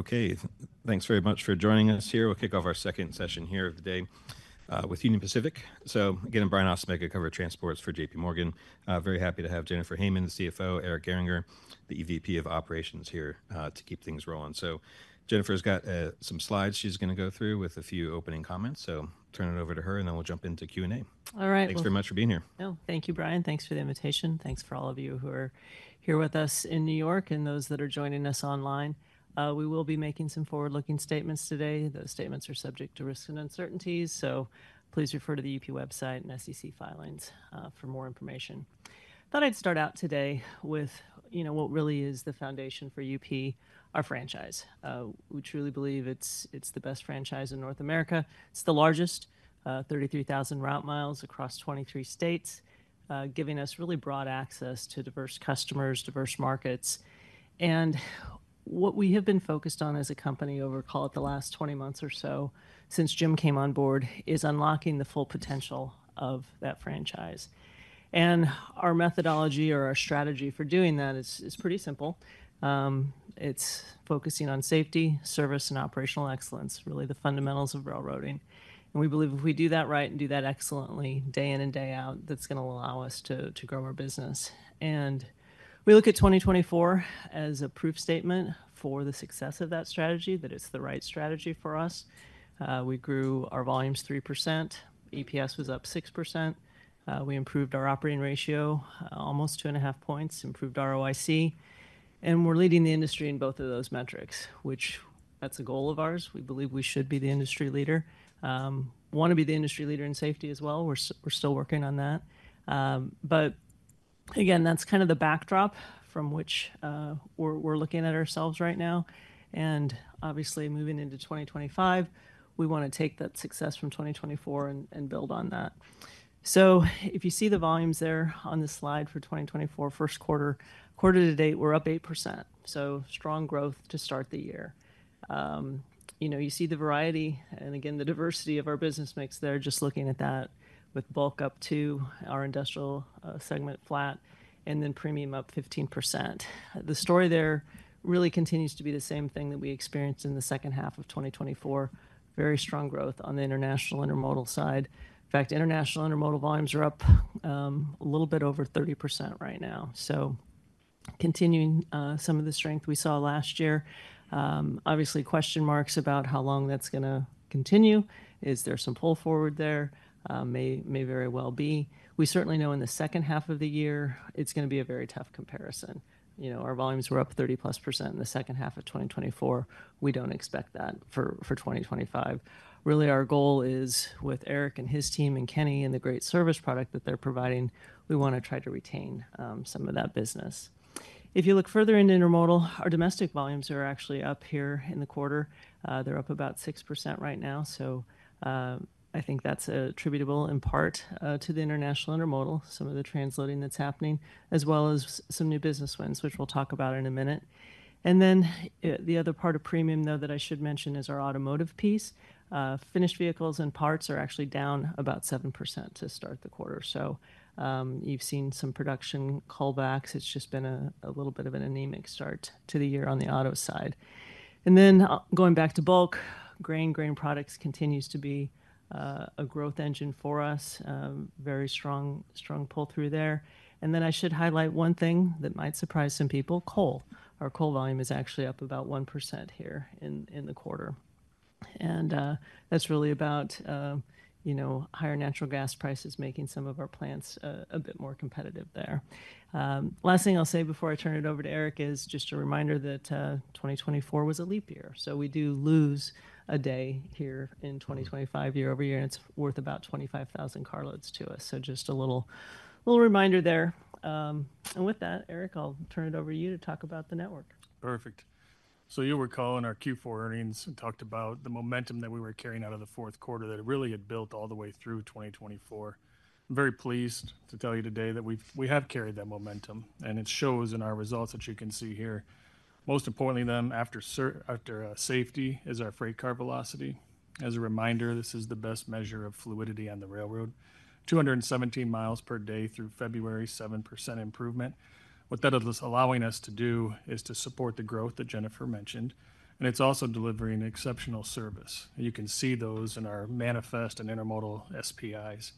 Just because of those kind of trees. Yeah. Okay. Thanks very much for joining us here. We'll kick off our second session here of the day with Union Pacific. Again, I'm Brian Ossenbeck, I cover transports for JPMorgan. Very happy to have Jennifer Hinman, the CFO, Eric Gehringer, the EVP of Operations here to keep things rolling. Jennifer's got some slides she's going to go through with a few opening comments. I will turn it over to her, and then we'll jump into Q&A. All right. Thanks very much for being here. Oh, thank you, Brian. Thanks for the invitation. Thanks for all of you who are here with us in New York and those that are joining us online. We will be making some forward-looking statements today. Those statements are subject to risks and uncertainties. Please refer to the UP website and SEC filings for more information. Thought I'd start out today with what really is the foundation for UP, our franchise. We truly believe it's the best franchise in North America. It's the largest, 33,000 route mi across 23 states, giving us really broad access to diverse customers, diverse markets. What we have been focused on as a company over, call it the last 20 months or so since Jim came on board is unlocking the full potential of that franchise. Our methodology or our strategy for doing that is pretty simple. It's focusing on safety, service, and operational excellence, really the fundamentals of railroading. We believe if we do that right and do that excellently day in and day out, that's going to allow us to grow our business. We look at 2024 as a proof statement for the success of that strategy, that it's the right strategy for us. We grew our volumes 3%. EPS was up 6%. We improved our operating ratio almost 2.5 points, improved ROIC. We're leading the industry in both of those metrics, which that's a goal of ours. We believe we should be the industry leader. Want to be the industry leader in safety as well. We're still working on that. Again, that's kind of the backdrop from which we're looking at ourselves right now. Obviously, moving into 2025, we want to take that success from 2024 and build on that. If you see the volumes there on the slide for 2024, first quarter, quarter to date, we're up 8%. Strong growth to start the year. You see the variety and again, the diversity of our business mix. They're just looking at that with bulk up to our industrial segment flat and then pre mium up 15%. The story there really continues to be the same thing that we experienced in the second half of 2024. Very strong growth on the international intermodal side. In fact, international intermodal volumes are up a little bit over 30% right now. Continuing some of the strength we saw last year. Obviously, question marks about how long that's going to continue. Is there some pull forward there? May very well be. We certainly know in the second half of the year, it's going to be a very tough comparison. Our volumes were up 30% plus in the second half of 2024. We don't expect that for 2025. Really, our goal is with Eric and his team and Kenny and the great service product that they're providing, we want to try to retain some of that business. If you look further into intermodal, our domestic volumes are actually up here in the quarter. They're up about 6% right now. I think that's attributable in part to the international intermodal, some of the transloading that's happening, as well as some new business wins, which we'll talk about in a minute. The other part of pre mium, though, that I should mention is our automotive piece. Finished vehicles and parts are actually down about 7% to start the quarter. You've seen some production callbacks. It's just been a little bit of an ane mic start to the year on the auto side. Going back to bulk, grain, grain products continues to be a growth engine for us. Very strong pull through there. I should highlight one thing that might surprise some people. Coal, our coal volume is actually up about 1% here in the quarter. That's really about higher natural gas prices making some of our plants a bit more competitive there. Last thing I'll say before I turn it over to Eric is just a re minder that 2024 was a leap year. We do lose a day here in 2025 year-over-year, and it's worth about 25,000 carloads to us. Just a little re minder there. With that, Eric, I'll turn it over to you to talk about the network. Perfect. You recall on our Q4 earnings and talked about the momentum that we were carrying out of the fourth quarter that it really had built all the way through 2024. I'm very pleased to tell you today that we have carried that momentum. It shows in our results that you can see here. Most importantly, after safety is our freight car velocity. As a re minder, this is the best measure of fluidity on the railroad. 217 mi per day through February, 7% improvement. What that is allowing us to do is to support the growth that Jennifer mentioned. It's also delivering exceptional service. You can see those in our manifest and intermodal SPIs.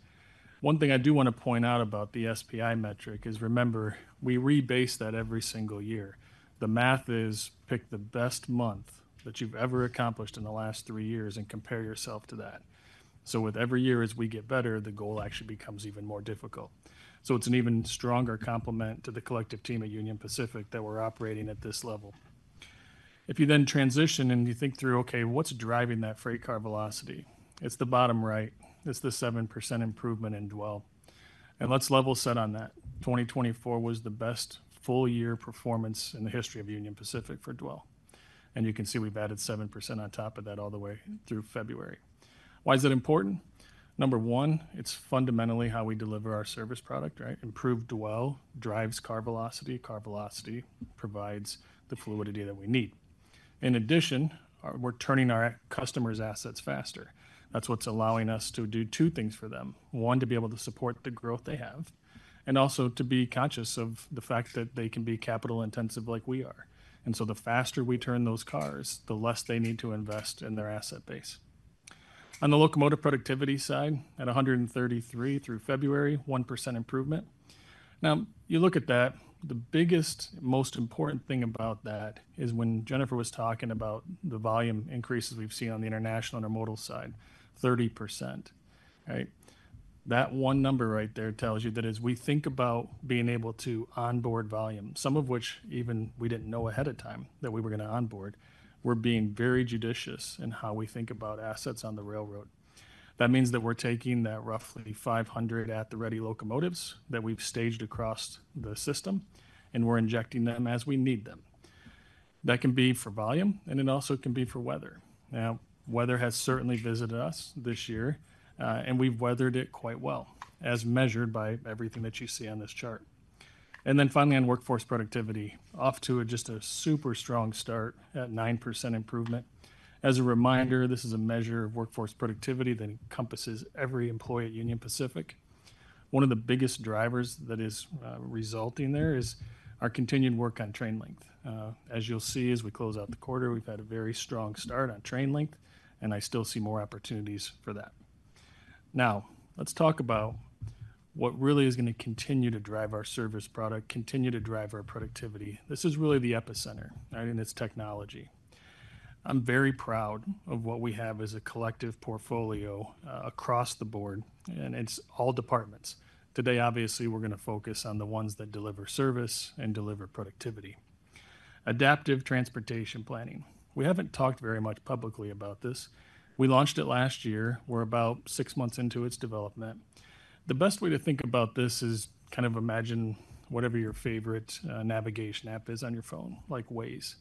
One thing I do want to point out about the SPI metric is remember, we rebase that every single year. The math is pick the best month that you've ever accomplished in the last three years and compare yourself to that. With every year as we get better, the goal actually becomes even more difficult. It is an even stronger compliment to the collective team at Union Pacific that we're operating at this level. If you then transition and you think through, okay, what's driving that freight car velocity? It's the bottom right. It's the 7% improvement in dwell. Let's level set on that. 2024 was the best full year performance in the history of Union Pacific for dwell. You can see we've added 7% on top of that all the way through February. Why is that important? Number one, it's fundamentally how we deliver our service product, right? Improved dwell drives car velocity. Car velocity provides the fluidity that we need. In addition, we're turning our customers' assets faster. That's what's allowing us to do two things for them. One, to be able to support the growth they have, and also to be conscious of the fact that they can be capital intensive like we are. The faster we turn those cars, the less they need to invest in their asset base. On the locomotive productivity side, at 133 through February, 1% improvement. Now, you look at that, the biggest, most important thing about that is when Jennifer was talking about the volume increases we've seen on the international intermodal side, 30%. That one number right there tells you that as we think about being able to onboard volume, some of which even we didn't know ahead of time that we were going to onboard, we're being very judicious in how we think about assets on the railroad. That means that we're taking that roughly 500 at the ready locomotives that we've staged across the system, and we're injecting them as we need them. That can be for volume, and it also can be for weather. Now, weather has certainly visited us this year, and we've weathered it quite well, as measured by everything that you see on this chart. Finally, on workforce productivity, off to just a super strong start at 9% improvement. As a re minder, this is a measure of workforce productivity that encompasses every employee in Union Pacific. One of the biggest drivers that is resulting there is our continued work on train length. As you'll see, as we close out the quarter, we've had a very strong start on train length, and I still see more opportunities for that. Now, let's talk about what really is going to continue to drive our service product, continue to drive our productivity. This is really the epicenter in its technology. I'm very proud of what we have as a collective portfolio across the board, and it's all departments. Today, obviously, we're going to focus on the ones that deliver service and deliver productivity. Adaptive transportation planning. We haven't talked very much publicly about this. We launched it last year. We're about six months into its development. The best way to think about this is kind of imagine whatever your favorite navigation app is on your phone, like Waze.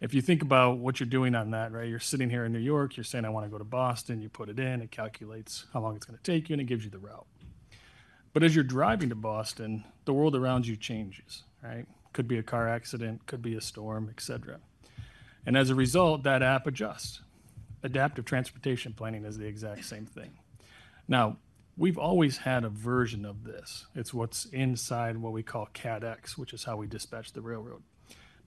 If you think about what you're doing on that, you're sitting here in New York, you're saying, "I want to go to Boston." You put it in, it calculates how long it's going to take you, and it gives you the route. As you're driving to Boston, the world around you changes. It could be a car accident, could be a storm, etc. As a result, that app adjusts. Adaptive transportation planning is the exact same thing. We've always had a version of this. It's what's inside what we call CADX, which is how we dispatch the railroad.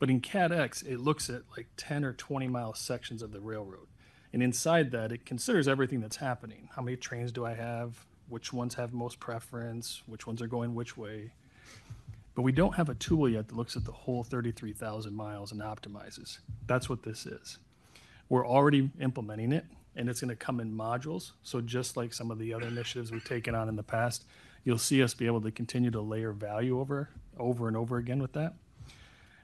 In CADX, it looks at like 10- mile or 20- mile sections of the railroad. Inside that, it considers everything that's happening. How many trains do I have? Which ones have most preference? Which ones are going which way? We don't have a tool yet that looks at the whole 33,000 mi and opti mizes. That's what this is. We're already implementing it, and it's going to come in modules. Just like some of the other initiatives we've taken on in the past, you'll see us be able to continue to layer value over and over again with that.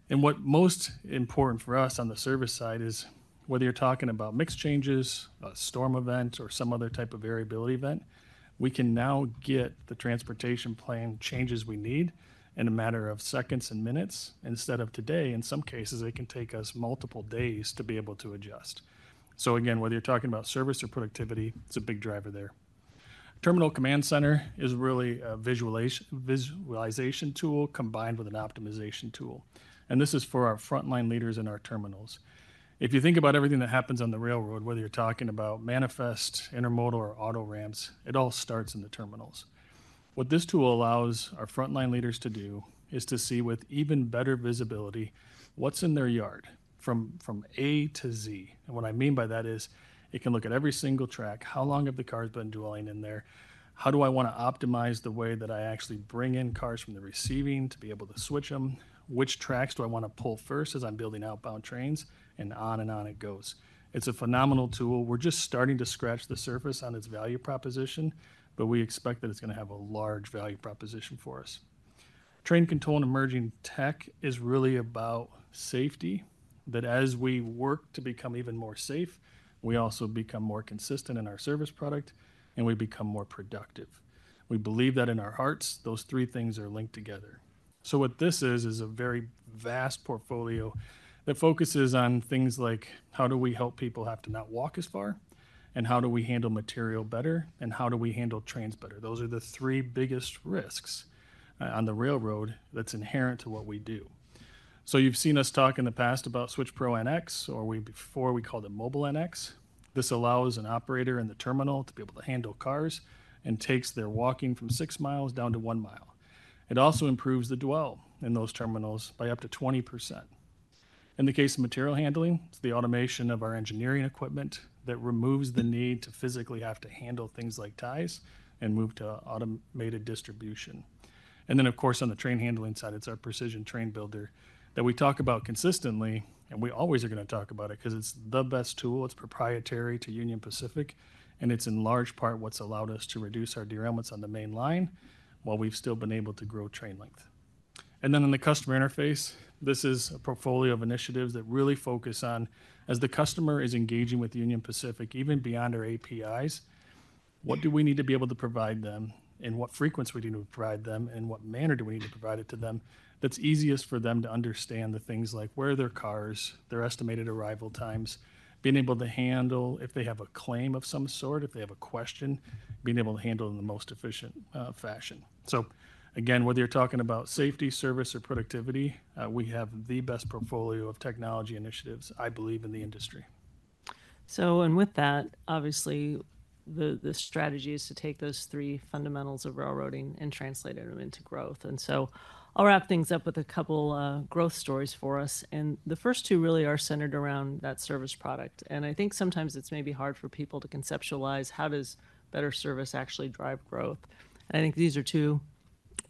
What's most important for us on the service side is whether you're talking about mixed changes, a storm event, or some other type of variability event, we can now get the transportation plan changes we need in a matter of seconds and minutes. Instead of today, in some cases, it can take us multiple days to be able to adjust. Again, whether you're talking about service or productivity, it's a big driver there. Ter minal Command Center is really a visualization tool combined with an opti mization tool. This is for our frontline leaders in our ter minals. If you think about everything that happens on the railroad, whether you're talking about manifest, intermodal, or auto ramps, it all starts in the ter minals. What this tool allows our frontline leaders to do is to see with even better visibility what's in their yard from A to Z. What I mean by that is it can look at every single track, how long have the cars been dwelling in there, how do I want to opti mize the way that I actually bring in cars from the receiving to be able to switch them, which tracks do I want to pull first as I'm building outbound trains, and on and on it goes. It's a phenomenal tool. We're just starting to scratch the surface on its value proposition, but we expect that it's going to have a large value proposition for us. Train control and emerging tech is really about safety, that as we work to become even more safe, we also become more consistent in our service product, and we become more productive. We believe that in our hearts, those three things are linked together. What this is, is a very vast portfolio that focuses on things like how do we help people have to not walk as far, and how do we handle material better, and how do we handle trains better. Those are the three biggest risks on the railroad that's inherent to what we do. You have seen us talk in the past about SwitchPro NX, or before we called it Mobile NX. This allows an operator in the ter minal to be able to handle cars and takes their walking from six miles down to one mile. It also improves the dwell in those ter minals by up to 20%. In the case of material handling, it's the automation of our engineering equipment that removes the need to physically have to handle things like ties and move to automated distribution. Of course, on the train handling side, it's our precision train builder that we talk about consistently, and we always are going to talk about it because it's the best tool. It's proprietary to Union Pacific, and it's in large part what's allowed us to reduce our derailments on the main line while we've still been able to grow train length. On the customer interface, this is a portfolio of initiatives that really focus on, as the customer is engaging with Union Pacific, even beyond our APIs, what do we need to be able to provide them, in what frequency we need to provide them, and what manner do we need to provide it to them that's easiest for them to understand the things like where their cars, their estimated arrival times, being able to handle if they have a claim of some sort, if they have a question, being able to handle it in the most efficient fashion. Again, whether you're talking about safety, service, or productivity, we have the best portfolio of technology initiatives, I believe, in the industry. Obviously, the strategy is to take those three fundamentals of railroading and translate them into growth. I'll wrap things up with a couple of growth stories for us. The first two really are centered around that service product. I think sometimes it's maybe hard for people to conceptualize how does better service actually drive growth. I think these are two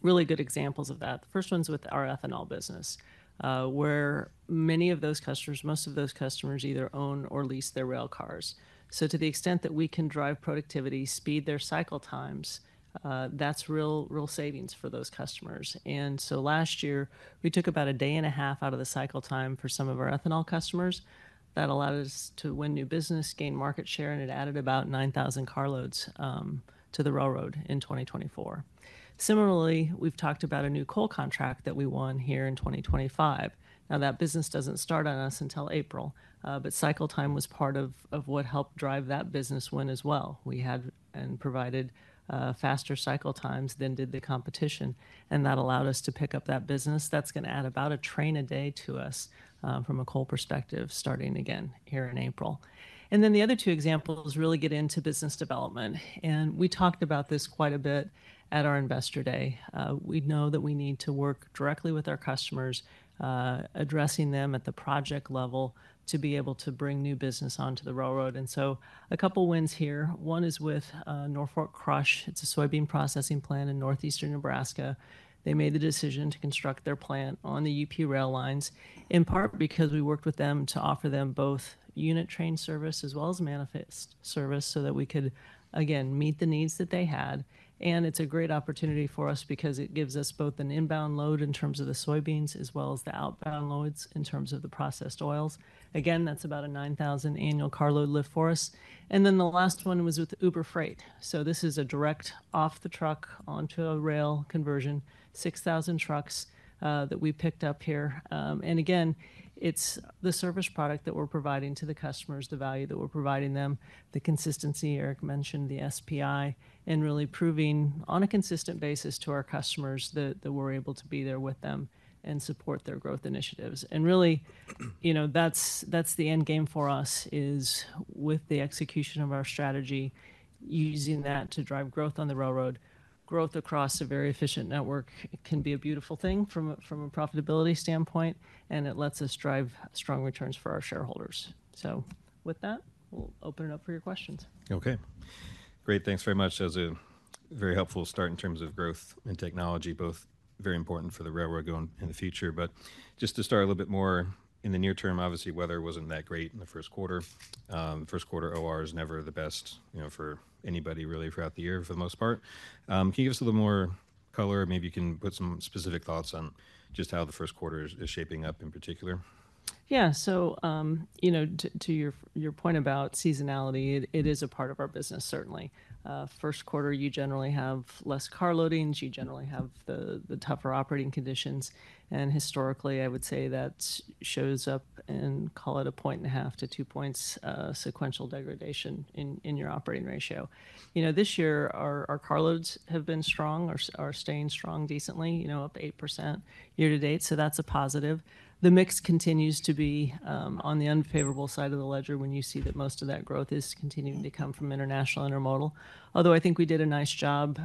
really good examples of that. The first one's with our ethanol business, where many of those customers, most of those customers either own or lease their rail cars. To the extent that we can drive productivity, speed their cycle times, that's real savings for those customers. Last year, we took about a day and a half out of the cycle time for some of our ethanol customers. That allowed us to win new business, gain market share, and it added about 9,000 carloads to the railroad in 2024. Si milarly, we've talked about a new coal contract that we won here in 2025. Now, that business doesn't start on us until April, but cycle time was part of what helped drive that business win as well. We had and provided faster cycle times than did the competition, and that allowed us to pick up that business. That's going to add about a train a day to us from a coal perspective starting again here in April. The other two examples really get into business development. We talked about this quite a bit at our investor day. We know that we need to work directly with our customers, addressing them at the project level to be able to bring new business onto the railroad. A couple of wins here. One is with Norfolk Crush. It's a soybean processing plant in northeastern Nebraska. They made the decision to construct their plant on the UP rail lines, in part because we worked with them to offer them both unit train service as well as manifest service so that we could, again, meet the needs that they had. It's a great opportunity for us because it gives us both an inbound load in terms of the soybeans as well as the outbound loads in terms of the processed oils. That's about a 9,000 annual carload lift for us. The last one was with Uber Freight. This is a direct off-the-truck onto a rail conversion, 6,000 trucks that we picked up here. It is the service product that we are providing to the customers, the value that we are providing them, the consistency Eric mentioned, the SPI, and really proving on a consistent basis to our customers that we are able to be there with them and support their growth initiatives. Really, that is the end game for us, with the execution of our strategy, using that to drive growth on the railroad. Growth across a very efficient network can be a beautiful thing from a profitability standpoint, and it lets us drive strong returns for our shareholders. We will open it up for your questions. Okay. Great. Thanks very much. That was a very helpful start in terms of growth and technology, both very important for the railroad going in the future. Just to start a little bit more in the near term, obviously, weather was not that great in the first quarter. First quarter OR is never the best for anybody really throughout the year for the most part. Can you give us a little more color? Maybe you can put some specific thoughts on just how the first quarter is shaping up in particular. Yeah. To your point about seasonality, it is a part of our business, certainly. First quarter, you generally have less car loadings. You generally have the tougher operating conditions. Historically, I would say that shows up in, call it a point and a half to two points sequential degradation in your operating ratio. This year, our carloads have been strong, are staying strong decently, up 8% year-to-date. That's a positive. The mix continues to be on the unfavorable side of the ledger when you see that most of that growth is continuing to come from international intermodal. Although I think we did a nice job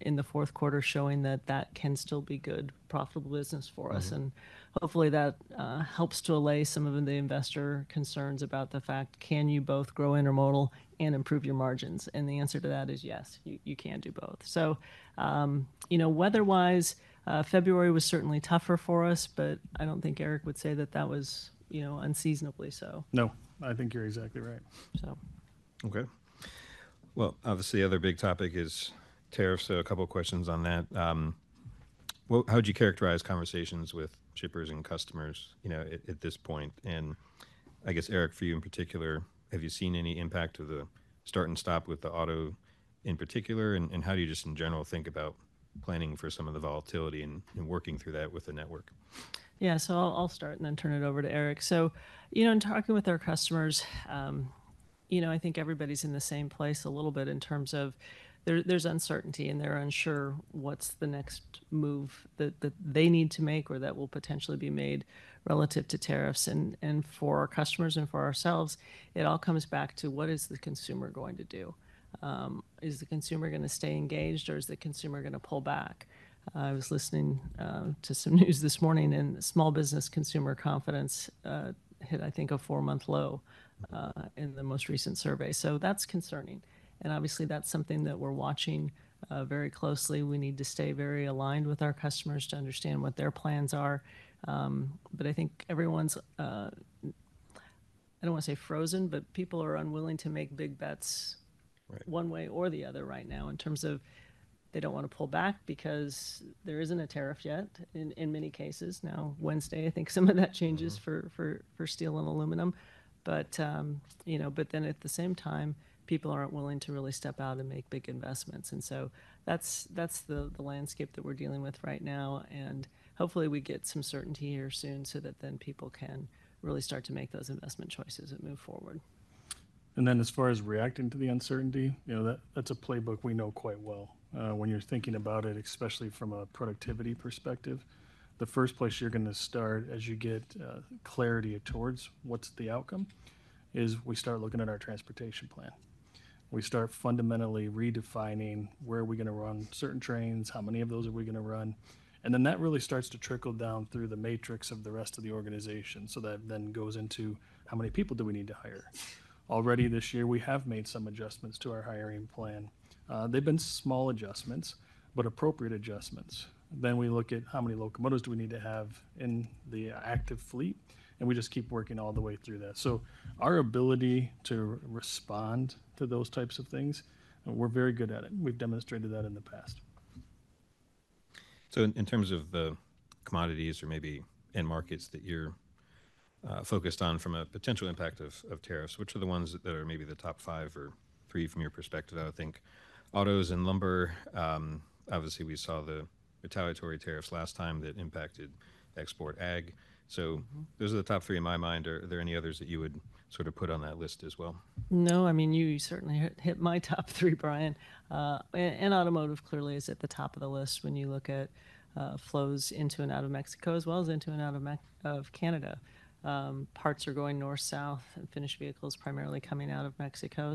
in the fourth quarter showing that that can still be good, profitable business for us. Hopefully, that helps to allay some of the investor concerns about the fact, can you both grow intermodal and improve your margins? The answer to that is yes, you can do both. Weather-wise, February was certainly tougher for us, but I do not think Eric would say that that was unseasonably so. No. I think you're exactly right. So. Okay. Obviously, the other big topic is tariffs. A couple of questions on that. How would you characterize conversations with shippers and customers at this point? I guess, Eric, for you in particular, have you seen any impact of the start and stop with the auto in particular? How do you just in general think about planning for some of the volatility and working through that with the network? Yeah. I'll start and then turn it over to Eric. In talking with our customers, I think everybody's in the same place a little bit in terms of there's uncertainty and they're unsure what's the next move that they need to make or that will potentially be made relative to tariffs. For our customers and for ourselves, it all comes back to what is the consumer going to do. Is the consumer going to stay engaged or is the consumer going to pull back. I was listening to some news this morning and small business consumer confidence hit, I think, a four-month low in the most recent survey. That's concerning. Obviously, that's something that we're watching very closely. We need to stay very aligned with our customers to understand what their plans are. I think everyone's, I don't want to say frozen, but people are unwilling to make big bets one way or the other right now in terms of they don't want to pull back because there isn't a tariff yet in many cases. Now, Wednesday, I think some of that changes for steel and alu minum. At the same time, people aren't willing to really step out and make big investments. That's the landscape that we're dealing with right now. Hopefully, we get some certainty here soon so that then people can really start to make those investment choices and move forward. As far as reacting to the uncertainty, that's a playbook we know quite well. When you're thinking about it, especially from a productivity perspective, the first place you're going to start as you get clarity towards what's the outcome is we start looking at our transportation plan. We start fundamentally redefining where are we going to run certain trains, how many of those are we going to run. That really starts to trickle down through the matrix of the rest of the organization so that then goes into how many people do we need to hire. Already this year, we have made some adjustments to our hiring plan. They've been small adjustments, but appropriate adjustments. We look at how many locomotives do we need to have in the active fleet, and we just keep working all the way through that. Our ability to respond to those types of things, we're very good at it. We've demonstrated that in the past. In terms of the commodities or maybe end markets that you're focused on from a potential impact of tariffs, which are the ones that are maybe the top five or three from your perspective, I would think? Autos and lumber. Obviously, we saw the retaliatory tariffs last time that impacted export ag. Those are the top three in my mind. Are there any others that you would sort of put on that list as well? No. I mean, you certainly hit my top three, Brian. And automotive clearly is at the top of the list when you look at flows into and out of Mexico as well as into and out of Canada. Parts are going north-south and finished vehicles coming out of Mexico.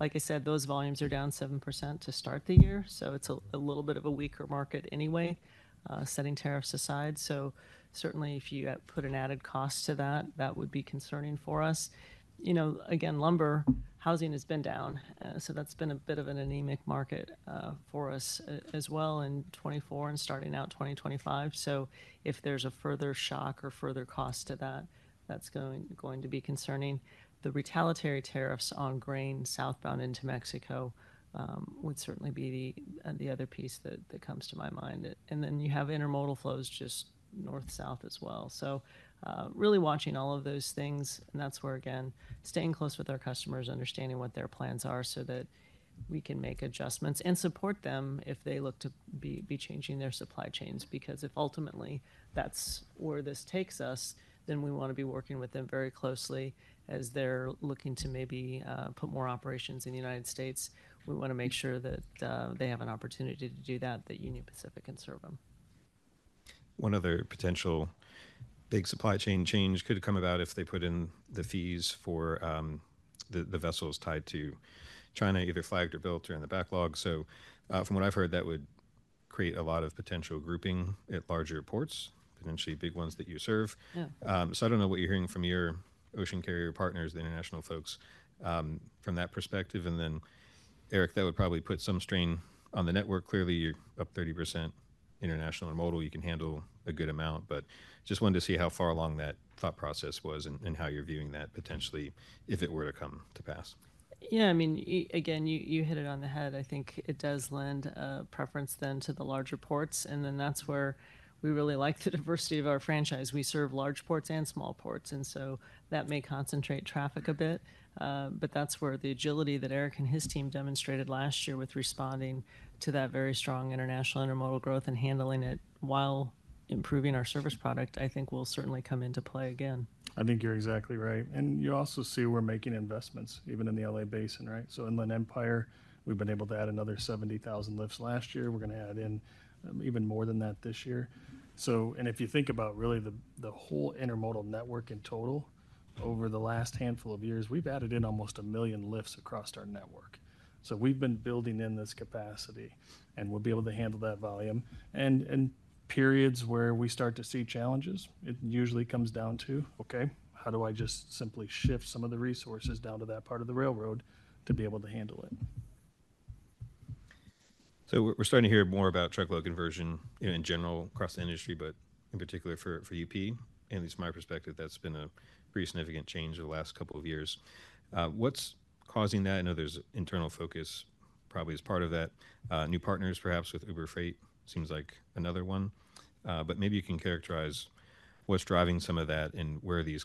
Like I said, those volumes are down 7% to start the year. It is a little bit of a weaker market anyway, setting tariffs aside. Certainly, if you put an added cost to that, that would be concerning for us. Again, lumber, housing has been down. That has been a bit of an anemic market for us as well in 2024 and starting out 2025. If there is a further shock or further cost to that, that is going to be concerning. The retaliatory tariffs on grain southbound into Mexico would certainly be the other piece that comes to my mind. You have intermodal flows just north-south as well. Really watching all of those things. That is where, again, staying close with our customers, understanding what their plans are so that we can make adjustments and support them if they look to be changing their supply chains. Because if ultimately that is where this takes us, we want to be working with them very closely as they are looking to maybe put more operations in the United States. We want to make sure that they have an opportunity to do that, that Union Pacific can serve them. One other potential big supply chain change could come about if they put in the fees for the vessels tied to China, either flagged or built or in the backlog. From what I've heard, that would create a lot of potential grouping at larger ports, potentially big ones that you serve. I do not know what you're hearing from your ocean carrier partners, the international folks, from that perspective. Eric, that would probably put some strain on the network. Clearly, you're up 30% international intermodal. You can handle a good amount. I just wanted to see how far along that thought process was and how you're viewing that potentially if it were to come to pass. Yeah. I mean, again, you hit it on the head. I think it does lend a preference then to the larger ports. I think that's where we really like the diversity of our franchise. We serve large ports and small ports. That may concentrate traffic a bit. I think that's where the agility that Eric and his team demonstrated last year with responding to that very strong international intermodal growth and handling it while improving our service product, I think will certainly come into play again. I think you're exactly right. You also see we're making investments even in the LA Basin, right? Inland Empire, we've been able to add another 70,000 lifts last year. We're going to add in even more than that this year. If you think about really the whole intermodal network in total, over the last handful of years, we've added in almost a million lifts across our network. We've been building in this capacity, and we'll be able to handle that volume. Periods where we start to see challenges, it usually comes down to, okay, how do I just simply shift some of the resources down to that part of the railroad to be able to handle it. We're starting to hear more about truckload conversion in general across the industry, but in particular for UP. At least my perspective, that's been a pretty significant change over the last couple of years. What's causing that? I know there's internal focus probably as part of that. New partners, perhaps, with Uber Freight seems like another one. Maybe you can characterize what's driving some of that and where are these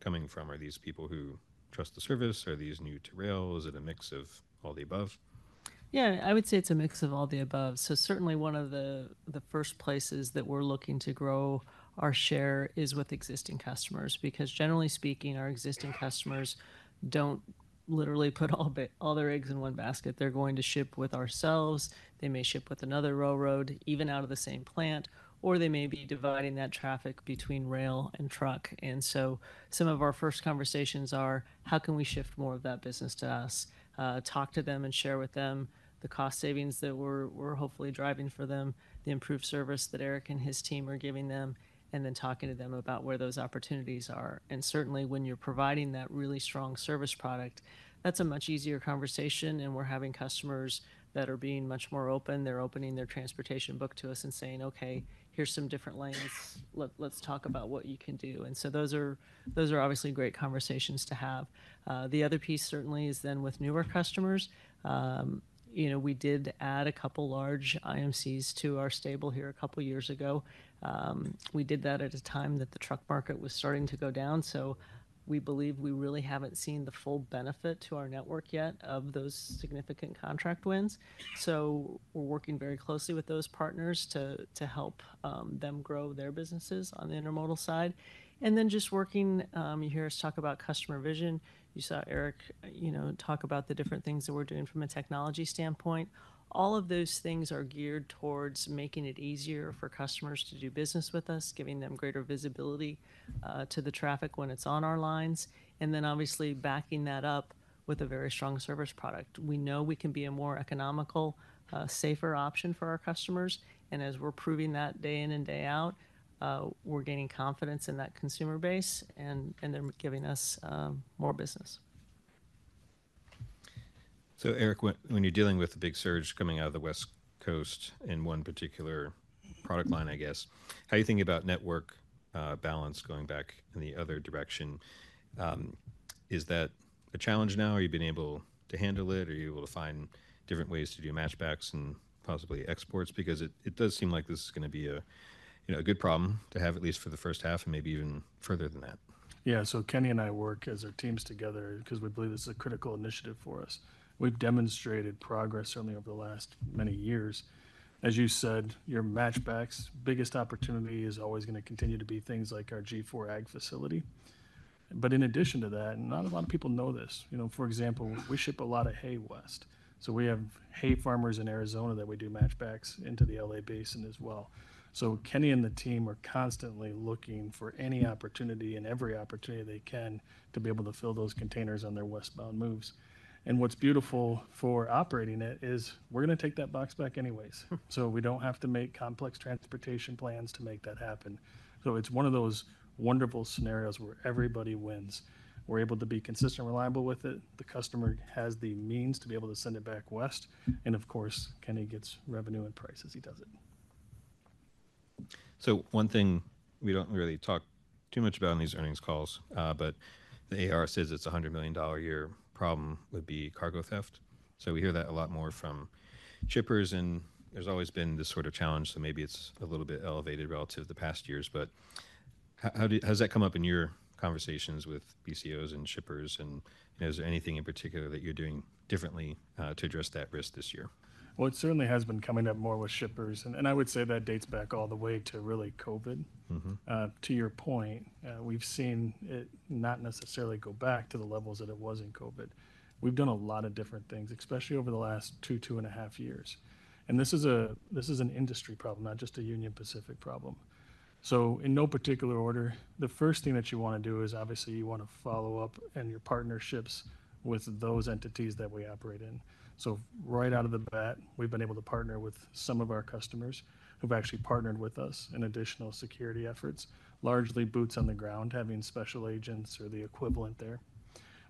coming from? Are these people who trust the service? Are these new to rail? Is it a mix of all the above? Yeah. I would say it's a mix of all the above. Certainly, one of the first places that we're looking to grow our share is with existing customers. Because generally speaking, our existing customers don't literally put all their eggs in one basket. They're going to ship with ourselves. They may ship with another railroad, even out of the same plant, or they may be dividing that traffic between rail and truck. Some of our first conversations are, how can we shift more of that business to us? Talk to them and share with them the cost savings that we're hopefully driving for them, the improved service that Eric and his team are giving them, and then talking to them about where those opportunities are. Certainly, when you're providing that really strong service product, that's a much easier conversation. We are having customers that are being much more open. They are opening their transportation book to us and saying, okay, here are some different lanes. Let's talk about what you can do. Those are obviously great conversations to have. The other piece certainly is with newer customers. We did add a couple large IMCs to our stable here a couple of years ago. We did that at a time that the truck market was starting to go down. We believe we really have not seen the full benefit to our network yet of those significant contract wins. We are working very closely with those partners to help them grow their businesses on the intermodal side. You hear us talk about customer vision. You saw Eric talk about the different things that we are doing from a technology standpoint. All of those things are geared towards making it easier for customers to do business with us, giving them greater visibility to the traffic when it's on our lines, and obviously backing that up with a very strong service product. We know we can be a more economical, safer option for our customers. As we're proving that day in and day out, we're gaining confidence in that consumer base, and they're giving us more business. Eric, when you're dealing with the big coming out of the West Coast in one particular product line, I guess, how are you thinking about network balance going back in the other direction? Is that a challenge now? Are you being able to handle it? Are you able to find different ways to do matchbacks and possibly exports? Because it does seem like this is going to be a good problem to have at least for the first half and maybe even further than that. Yeah. Kenny and I work as our teams together because we believe this is a critical initiative for us. We've demonstrated progress certainly over the last many years. As you said, your matchbacks, biggest opportunity is always going to continue to be things like our G4 ag facility. In addition to that, not a lot of people know this. For example, we ship a lot of hay west. We have hay farmers in Arizona that we do matchbacks into the LA Basin as well. Kenny and the team are constantly looking for any opportunity and every opportunity they can to be able to fill those containers on their westbound moves. What's beautiful for operating it is we're going to take that box back anyways. We don't have to make complex transportation plans to make that happen. It is one of those wonderful scenarios where everybody wins. We are able to be consistent and reliable with it. The customer has the means to be able to send it back west. Of course, Kenny gets revenue and price as he does it. One thing we do not really talk too much about in these earnings calls, but the AAR says it is a $100 million a year problem, would be cargo theft. We hear that a lot more from shippers, and there has always been this sort of challenge. Maybe it is a little bit elevated relative to the past years. How has that come up in your conversations with BCOs and shippers? Is there anything in particular that you are doing differently to address that risk this year? It certainly has been coming up more with shippers. I would say that dates back all the way to really COVID. To your point, we've seen it not necessarily go back to the levels that it was in COVID. We've done a lot of different things, especially over the last 2.5 years. This is an industry problem, not just a Union Pacific problem. In no particular order, the first thing that you want to do is obviously you want to follow up and your partnerships with those entities that we operate in. Right out of the bat, we've been able to partner with some of our customers who've actually partnered with us in additional security efforts, largely boots on the ground, having special agents or the equivalent there.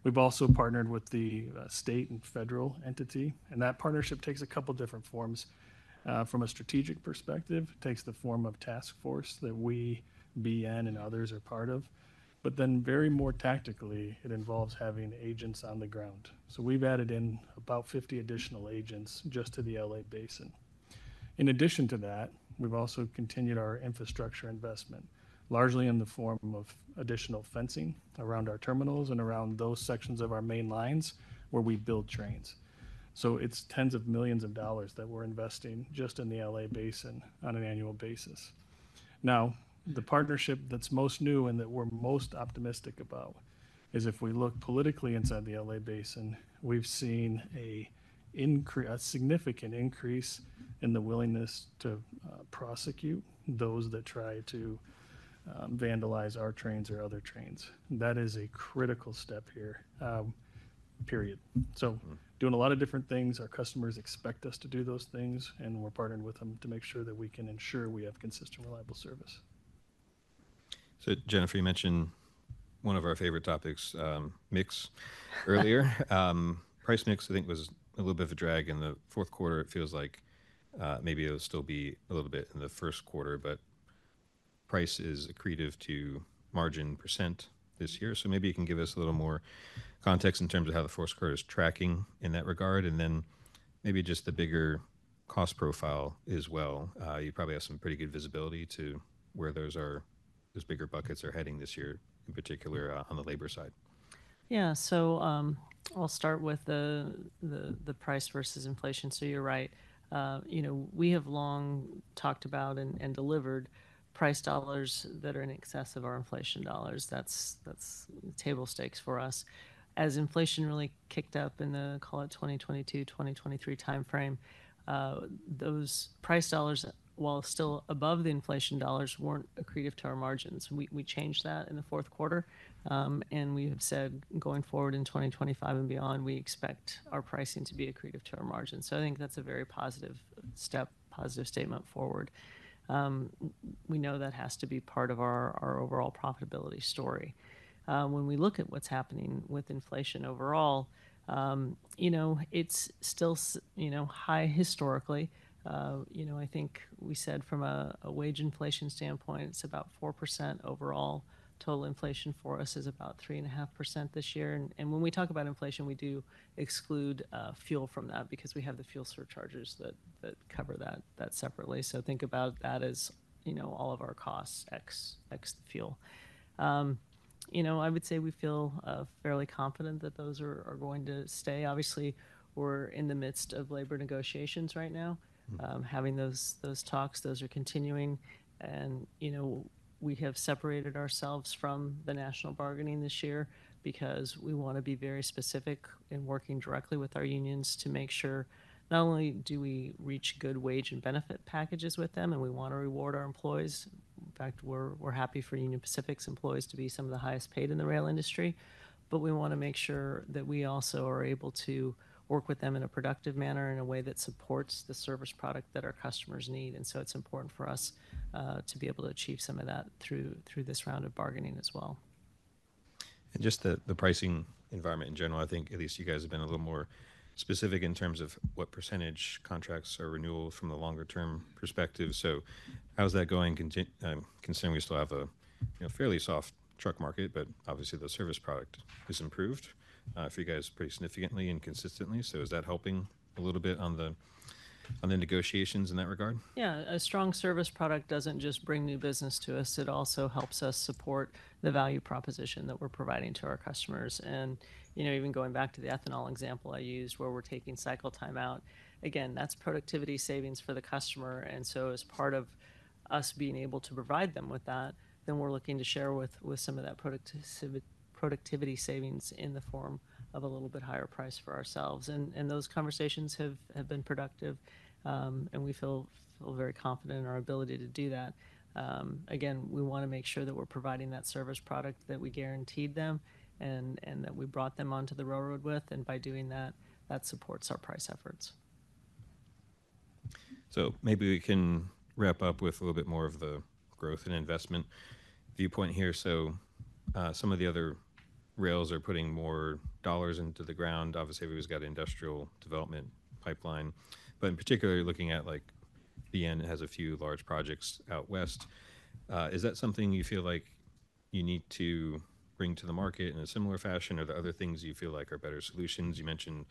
We've also partnered with the state and federal entity. That partnership takes a couple of different forms. From a strategic perspective, it takes the form of task force that we, BN and others are part of. Very more tactically, it involves having agents on the ground. We have added in about 50 additional agents just to the LA Basin. In addition to that, we have also continued our infrastructure investment, largely in the form of additional fencing around our terminals and around those sections of our main lines where we build trains. It is tens of millions of dollars that we are investing just in the LA Basin on an annual basis. The partnership that is most new and that we are most optimistic about is if we look politically inside the LA Basin, we have seen a significant increase in the willingness to prosecute those that try to vandalize our trains or other trains. That is a critical step here. Doing a lot of different things, our customers expect us to do those things, and we're partnered with them to make sure that we can ensure we have consistent, reliable service. Jennifer, you mentioned one of our favorite topics, mix, earlier. Price mix, I think, was a little bit of a drag in the fourth quarter. It feels like maybe it'll still be a little bit in the first quarter, but price is accretive to margin percent this year. Maybe you can give us a little more context in terms of how the fourth quarter is tracking in that regard. Maybe just the bigger cost profile as well. You probably have some pretty good visibility to where those bigger buckets are heading this year, in particular on the labor side. Yeah. I'll start with the price versus inflation. You're right. We have long talked about and delivered price dollars that are in excess of our inflation dollars. That's table stakes for us. As inflation really kicked up in the, call it 2022, 2023 timeframe, those price dollars, while still above the inflation dollars, weren't accretive to our margins. We changed that in the fourth quarter. We have said going forward in 2025 and beyond, we expect our pricing to be accretive to our margins. I think that's a very positive step, positive statement forward. We know that has to be part of our overall profitability story. When we look at what's happening with inflation overall, it's still high historically. I think we said from a wage inflation standpoint, it's about 4% overall. Total inflation for us is about 3.5% this year. When we talk about inflation, we do exclude fuel from that because we have the fuel surcharges that cover that separately. Think about that as all of our costs ex-fuel. I would say we feel fairly confident that those are going to stay. Obviously, we're in the midst of labor negotiations right now, having those talks. Those are continuing. We have separated ourselves from the national bargaining this year because we want to be very specific in working directly with our unions to make sure not only do we reach good wage and benefit packages with them, and we want to reward our employees. In fact, we're happy for Union Pacific's employees to be some of the highest paid in the rail industry. We want to make sure that we also are able to work with them in a productive manner in a way that supports the service product that our customers need. It is important for us to be able to achieve some of that through this round of bargaining as well. The pricing environment in general, I think at least you guys have been a little more specific in terms of what percentage contracts are renewal from the longer-term perspective. How's that going? Considering we still have a fairly soft truck market, but obviously the service product has improved for you guys pretty significantly and consistently. Is that helping a little bit on the negotiations in that regard? Yeah. A strong service product does not just bring new business to us. It also helps us support the value proposition that we are providing to our customers. Even going back to the ethanol example I used where we are taking cycle time out, again, that is productivity savings for the customer. As part of us being able to provide them with that, we are looking to share some of that productivity savings in the form of a little bit higher price for ourselves. Those conversations have been productive. We feel very confident in our ability to do that. We want to make sure that we are providing that service product that we guaranteed them and that we brought them onto the railroad with. By doing that, that supports our price efforts. Maybe we can wrap up with a little bit more of the growth and investment viewpoint here. Some of the other rails are putting more dollars into the ground. Obviously, everybody's got an industrial development pipeline. In particular, looking at BN, it has a few large projects out west. Is that something you feel like you need to bring to the market in similar fashion? Are there other things you feel like are better solutions? You mentioned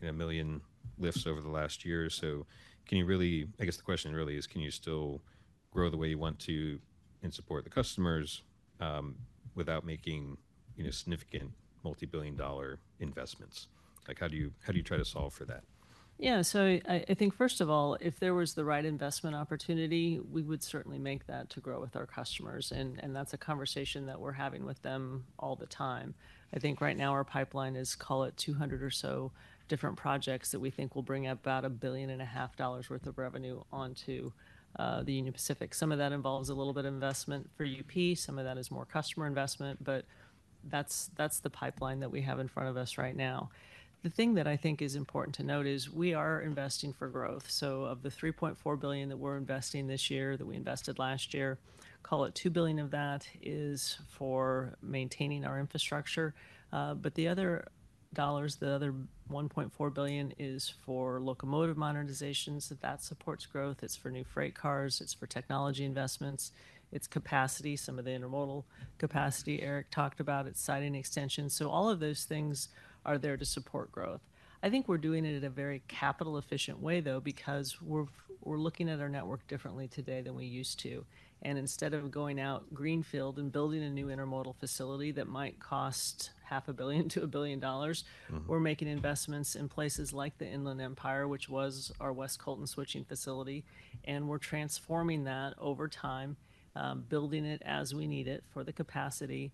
1 million lifts over the last year. I guess the question really is, can you still grow the way you want to and support the customers without making significant multi-billion dollar investments? How do you try to solve for that? Yeah. I think, first of all, if there was the right investment opportunity, we would certainly make that to grow with our customers. That is a conversation that we're having with them all the time. I think right now our pipeline is, call it 200 or so different projects that we think will bring about $1.5 billion worth of revenue onto the Union Pacific. Some of that involves a little bit of investment for UP. Some of that is more customer investment. That is the pipeline that we have in front of us right now. The thing that I think is important to note is we are investing for growth. Of the $3.4 billion that we're investing this year, that we invested last year, call it $2 billion of that is for maintaining our infrastructure. The other $1.4 billion is for locomotive modernizations. That supports growth. It is for new freight cars. It is for technology investments. It is capacity, some of the intermodal capacity Eric talked about. It is siding extension. All of those things are there to support growth. I think we are doing it in a very capital-efficient way, though, because we are looking at our network differently today than we used to. Instead of going out greenfield and building a new intermodal facility that might cost $500 million-$1 billion, we are making investments in places like the Inland Empire, which was our West Colton switching facility. We are transfor ming that over time, building it as we need it for the capacity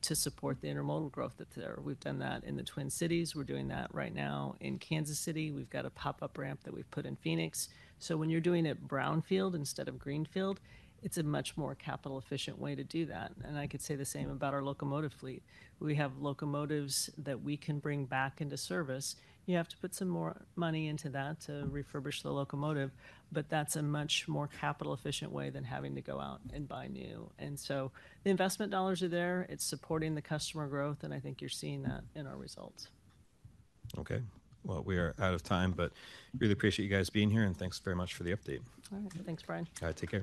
to support the intermodal growth that is there. We have done that in the Twin Cities. We are doing that right now in Kansas City. We've got a pop-up ramp that we've put in Phoenix. When you're doing it brownfield instead of greenfield, it's a much more capital-efficient way to do that. I could say the same about our locomotive fleet. We have locomotives that we can bring back into service. You have to put some more money into that to refurbish the locomotive. That's a much more capital-efficient way than having to go out and buy new. The investment dollars are there. It's supporting the customer growth. I think you're seeing that in our results. Okay. We are out of time, but really appreciate you guys being here. Thanks very much for the update. All right. Thanks, Brian. All right. Take care.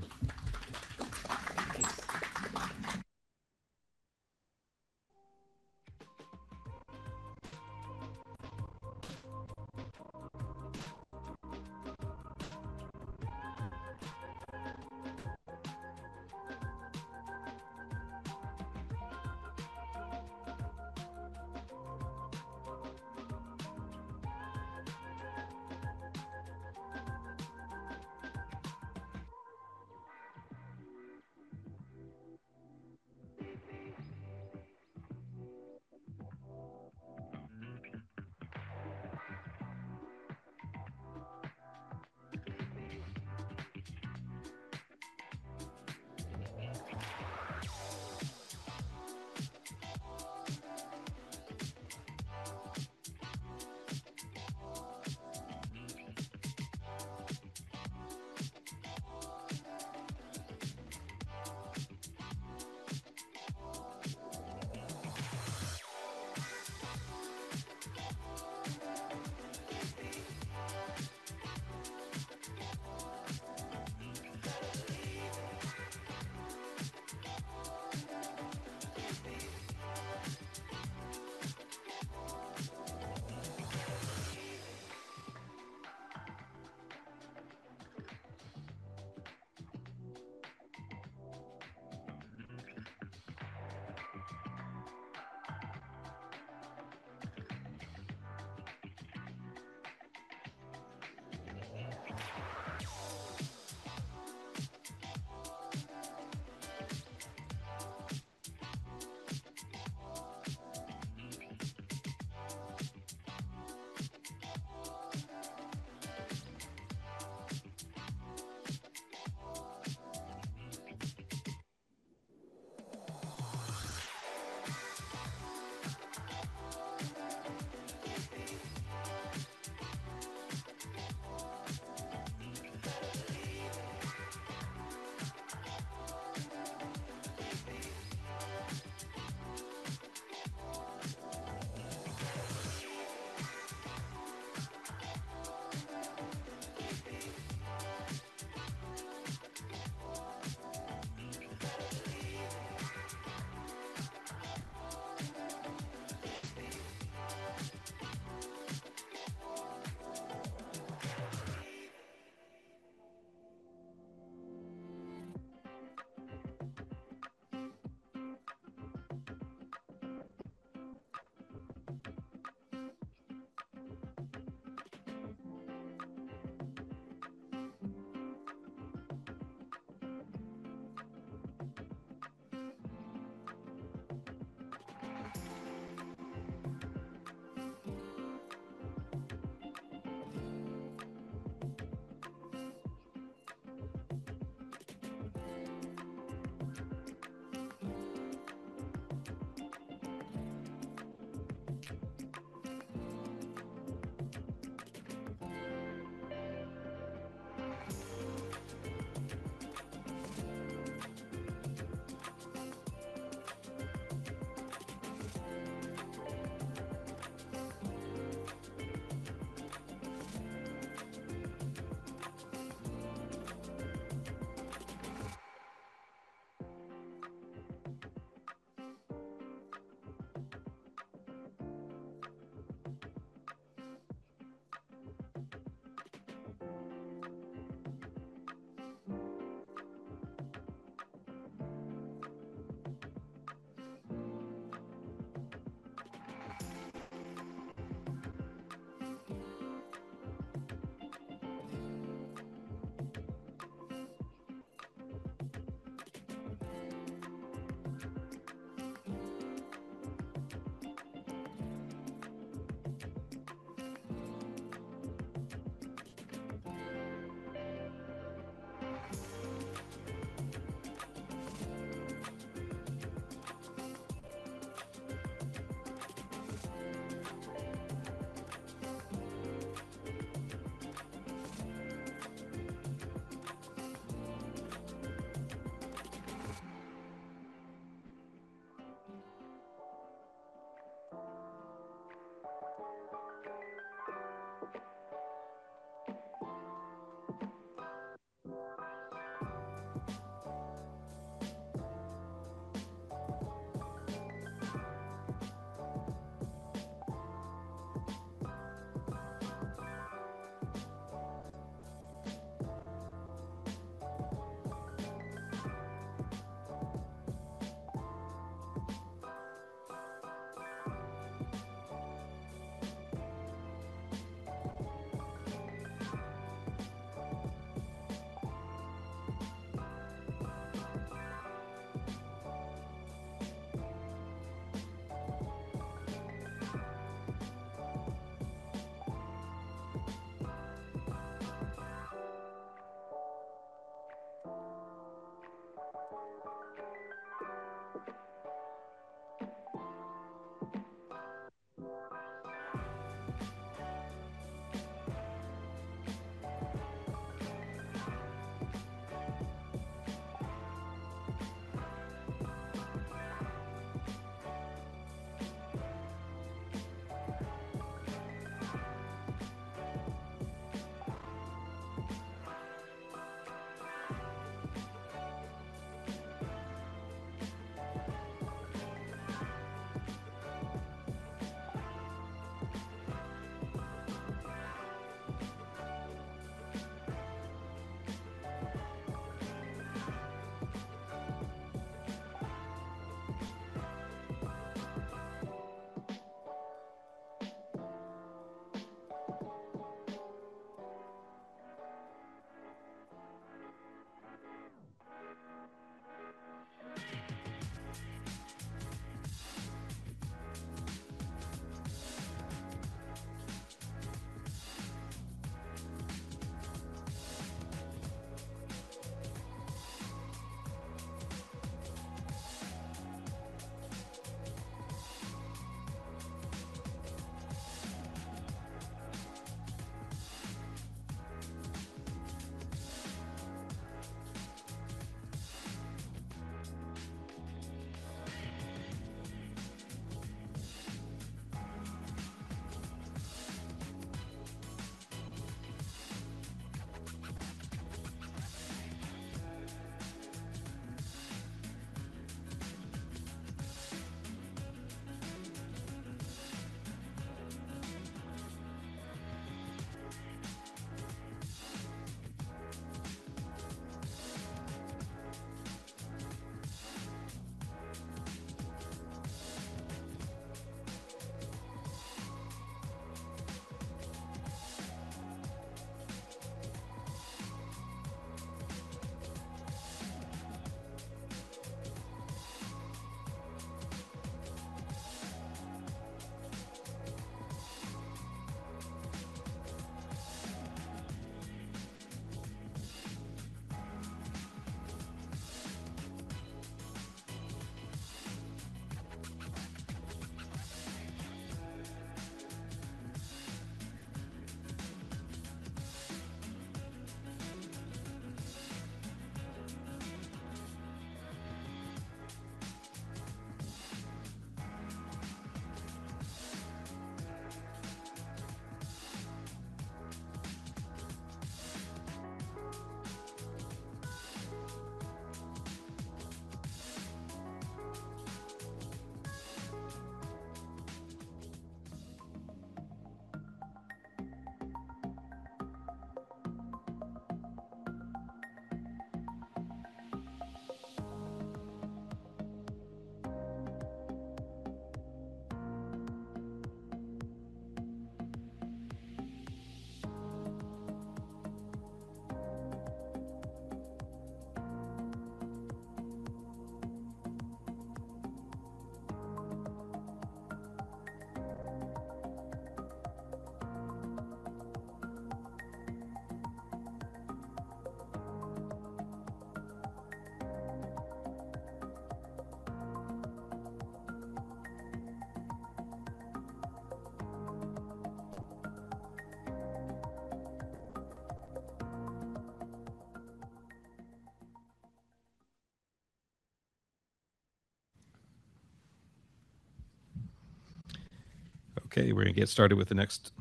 Okay. We're going to get started with the next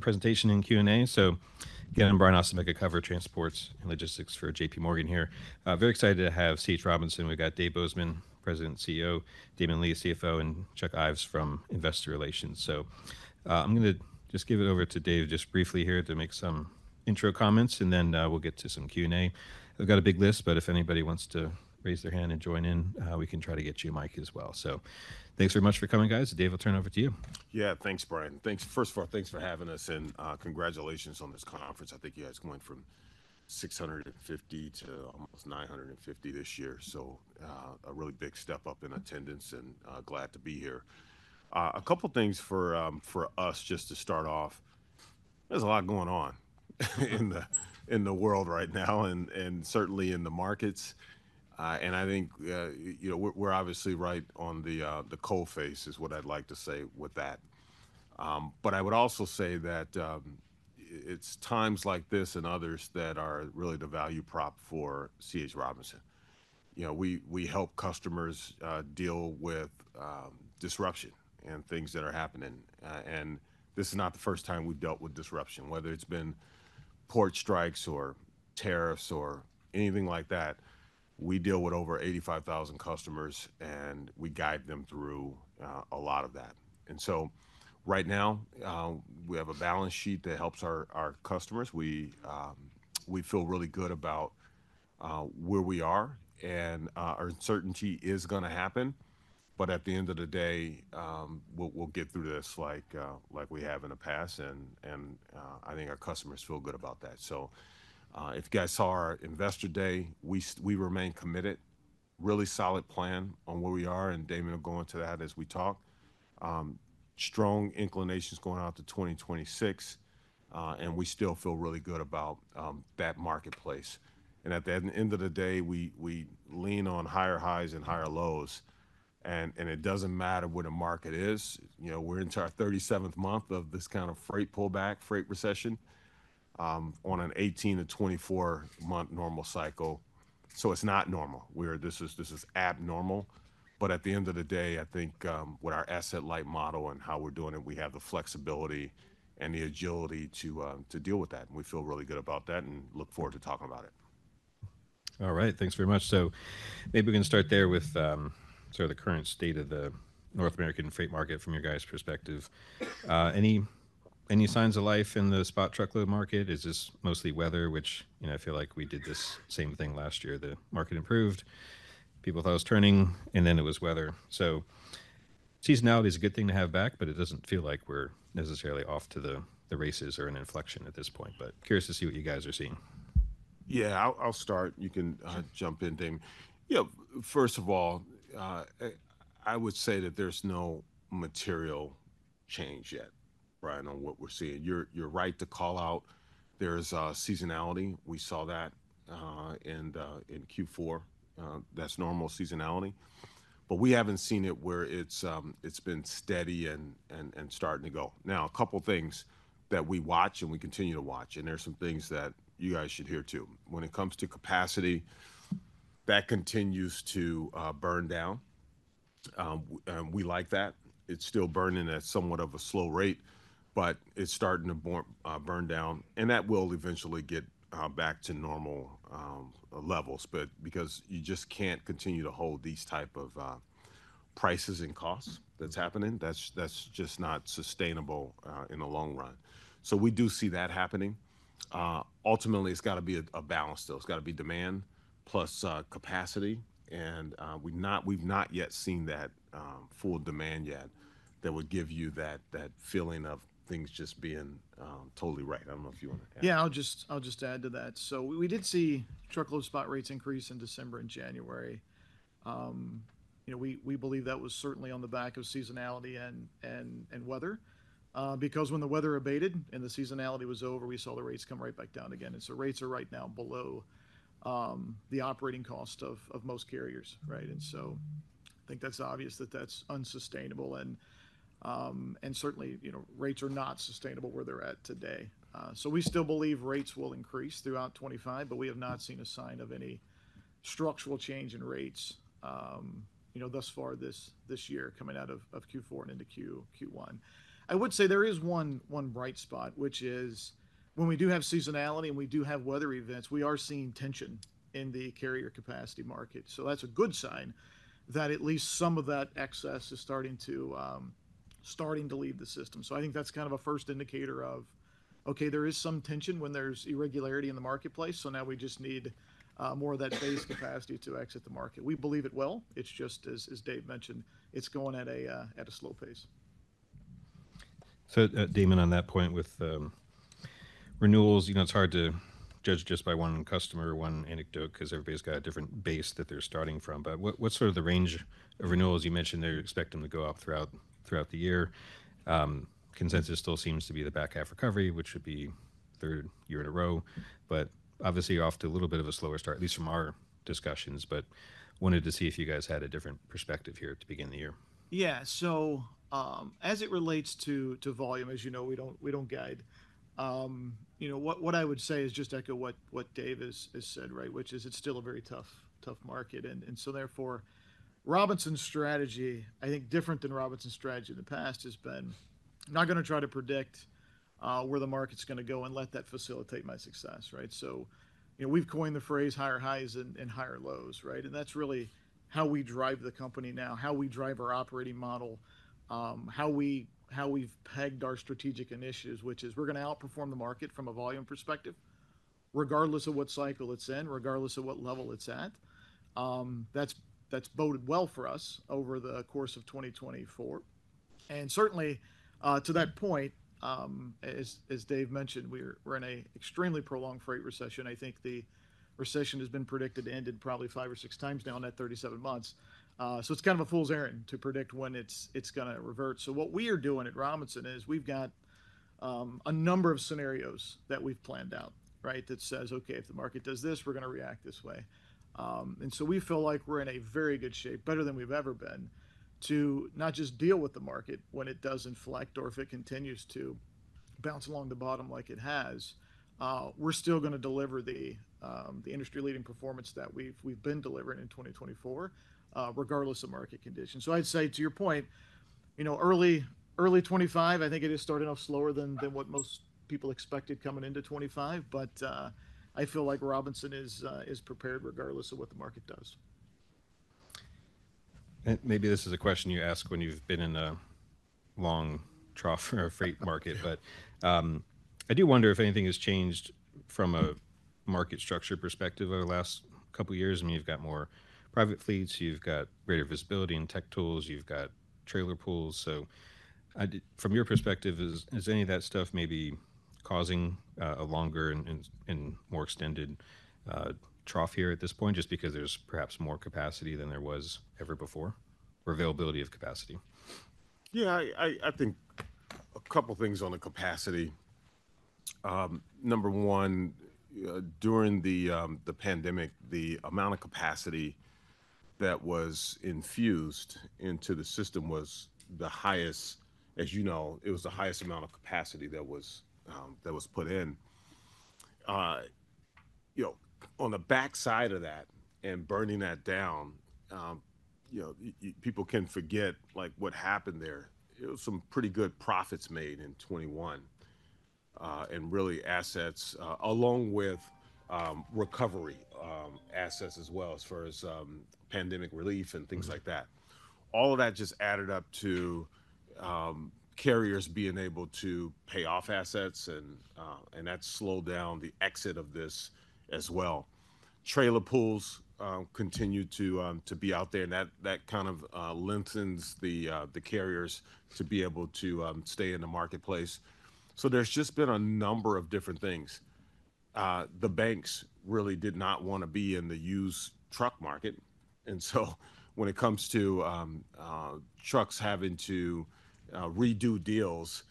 presentation and Q&A. Again, I'm Brian Ossenbeck. I cover Transport and Logistics for JPMorgan here. Very excited to have CH Robinson. We've got Dave Bozeman, President and CEO; Damon Lee, CFO; and Chuck Ives from Investor Relations. I'm going to just give it over to Dave just briefly here to make some intro comments. Then we'll get to some Q&A. We've got a big list. If anybody wants to raise their hand and join in, we can try to get you a mic as well. Thanks very much for coming, guys. Dave, I'll turn it over to you. Yeah. Thanks, Brian. First of all, thanks for having us. Congratulations on this conference. I think you guys went from 650 to almost 950 this year. A really big step up in attendance. Glad to be here. A couple of things for us just to start off. There's a lot going on in the world right now and certainly in the markets. I think we're obviously right on the coal face is what I'd like to say with that. I would also say that it's times like this and others that are really the value prop for CH Robinson. We help customers deal with disruption and things that are happening. This is not the first time we've dealt with disruption. Whether it's been port strikes or tariffs or anything like that, we deal with over 85,000 customers. We guide them through a lot of that. Right now, we have a balance sheet that helps our customers. We feel really good about where we are. Uncertainty is going to happen. At the end of the day, we'll get through this like we have in the past. I think our customers feel good about that. If you guys saw our investor day, we remain committed, really solid plan on where we are. Damon will go into that as we talk. Strong inclinations going out to 2026. We still feel really good about that marketplace. At the end of the day, we lean on higher highs and higher lows. It does not matter what a market is. We're into our 37th month of this kind of freight pullback, freight recession on an 18 month-24 month normal cycle. It is not normal. This is abnormal. At the end of the day, I think with our asset-light model and how we are doing it, we have the flexibility and the agility to deal with that. We feel really good about that and look forward to talking about it. All right. Thanks very much. Maybe we can start there with sort of the current state of the North American freight market from your guys' perspective. Any signs of life in the spot truckload market? Is this mostly weather, which I feel like we did this same thing last year. The market improved. People thought it was turning. Then it was weather. Seasonality is a good thing to have back. It doesn't feel like we're necessarily off to the races or an inflection at this point. Curious to see what you guys are seeing. Yeah. I'll start. You can jump in, Damon. First of all, I would say that there's no material change yet, Brian, on what we're seeing. You're right to call out there is seasonality. We saw that in Q4. That's normal seasonality. We haven't seen it where it's been steady and starting to go. Now, a couple of things that we watch and we continue to watch. There are some things that you guys should hear too. When it comes to capacity, that continues to burn down. We like that. It's still burning at somewhat of a slow rate. It's starting to burn down. That will eventually get back to normal levels. Because you just can't continue to hold these types of prices and costs that's happening, that's just not sustainable in the long run. We do see that happening. Ultimately, it's got to be a balance, though. It's got to be demand plus capacity. We've not yet seen that full demand yet that would give you that feeling of things just being totally right. I don't know if you want to add. Yeah. I'll just add to that. We did see truckload spot rates increase in December and January. We believe that was certainly on the back of seasonality and weather. When the weather abated and the seasonality was over, we saw the rates come right back down again. Rates are right now below the operating cost of most carriers. I think that's obvious that that's unsustainable. Rates are not sustainable where they're at today. We still believe rates will increase throughout 2025. We have not seen a sign of any structural change in rates thus far this year coming out of Q4 and into Q1. I would say there is one bright spot, which is when we do have seasonality and we do have weather events, we are seeing tension in the carrier capacity market. That's a good sign that at least some of that excess is starting to leave the system. I think that's kind of a first indicator of, okay, there is some tension when there's irregularity in the marketplace. Now we just need more of that phased capacity to exit the market. We believe it will. It's just, as Dave mentioned, it's going at a slow pace. Damon, on that point with renewals, it's hard to judge just by one customer or one anecdote because everybody's got a different base that they're starting from. What's sort of the range of renewals? You mentioned they're expecting them to go up throughout the year. Consensus still seems to be the back half recovery, which would be third year in a row. Obviously, you're off to a little bit of a slower start, at least from our discussions. Wanted to see if you guys had a different perspective here to begin the year. Yeah. As it relates to volume, as you know, we do not guide. What I would say is just echo what Dave has said, which is it is still a very tough market. Therefore, Robinson's strategy, I think different than Robinson's strategy in the past, has been not going to try to predict where the market is going to go and let that facilitate my success. We have coined the phrase higher highs and higher lows. That is really how we drive the company now, how we drive our operating model, how we have pegged our strategic initiatives, which is we are going to outperform the market from a volume perspective, regardless of what cycle it is in, regardless of what level it is at. That has boded well for us over the course of 2024. Certainly, to that point, as Dave mentioned, we are in an extremely prolonged freight recession. I think the recession has been predicted to end probably five or six times now in that 37 months. It is kind of a fool's errand to predict when it is going to revert. What we are doing at Robinson is we have got a number of scenarios that we have planned out that says, okay, if the market does this, we are going to react this way. We feel like we are in very good shape, better than we have ever been, to not just deal with the market when it does inflect or if it continues to bounce along the bottom like it has. We are still going to deliver the industry-leading performance that we have been delivering in 2024, regardless of market conditions. I would say to your point, early 2025, I think it is starting off slower than what most people expected coming into 2025. I feel like Robinson is prepared regardless of what the market does. Maybe this is a question you ask when you've been in a long trough or freight market. I do wonder if anything has changed from a market structure perspective over the last couple of years. I mean, you've got more private fleets. You've got greater visibility in tech tools. You've got trailer pools. From your perspective, is any of that stuff maybe causing a longer and more extended trough here at this point just because there's perhaps more capacity than there was ever before or availability of capacity? Yeah. I think a couple of things on the capacity. Number one, during the pandemic, the amount of capacity that was infused into the system was the highest. As you know, it was the highest amount of capacity that was put in. On the backside of that and burning that down, people can forget what happened there. There were some pretty good profits made in 2021 and really assets along with recovery assets as well as far as pandemic relief and things like that. All of that just added up to carriers being able to pay off assets. That slowed down the exit of this as well. Trailer pools continued to be out there. That kind of lengthens the carriers to be able to stay in the marketplace. There has just been a number of different things. The banks really did not want to be in the used truck market. When it comes to trucks having to redo deals,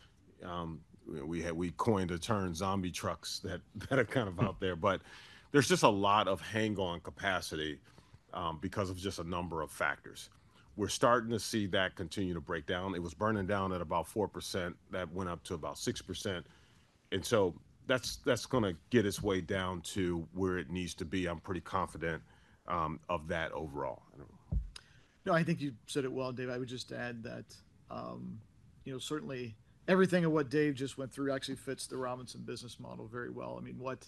we coined the term zombie trucks that are kind of out there. There is just a lot of hang-on capacity because of a number of factors. We are starting to see that continue to break down. It was burning down at about 4%. That went up to about 6%. That is going to get its way down to where it needs to be. I am pretty confident of that overall. No. I think you said it well, Dave. I would just add that certainly everything of what Dave just went through actually fits the Robinson business model very well. I mean, what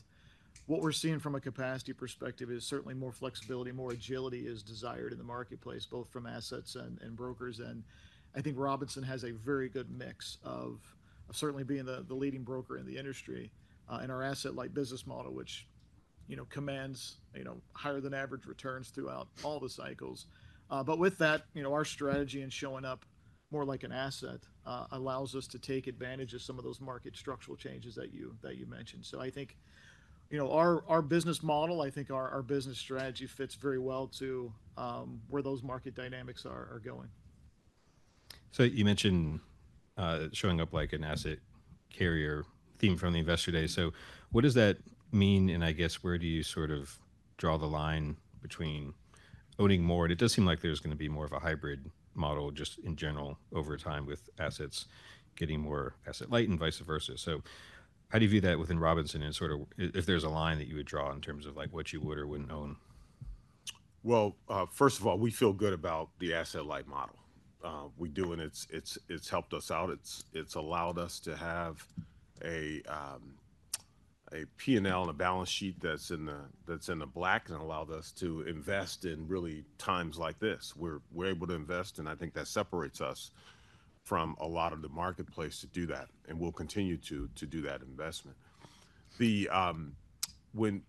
we're seeing from a capacity perspective is certainly more flexibility, more agility is desired in the marketplace, both from assets and brokers. I think Robinson has a very good mix of certainly being the leading broker in the industry and our asset-light business model, which commands higher than average returns throughout all the cycles. With that, our strategy in showing up more like an asset allows us to take advantage of some of those market structural changes that you mentioned. I think our business model, I think our business strategy fits very well to where those market dynamics are going. You mentioned showing up like an asset carrier theme from the investor day. What does that mean? I guess where do you sort of draw the line between owning more? It does seem like there's going to be more of a hybrid model just in general over time with assets getting more asset-light and vice versa. How do you view that within Robinson? Is there a line that you would draw in terms of what you would or would not own? First of all, we feel good about the asset-light model. We do. It has helped us out. It has allowed us to have a P&L and a balance sheet that is in the black and allowed us to invest in times like this. We are able to invest. I think that separates us from a lot of the marketplace to do that. We will continue to do that investment. When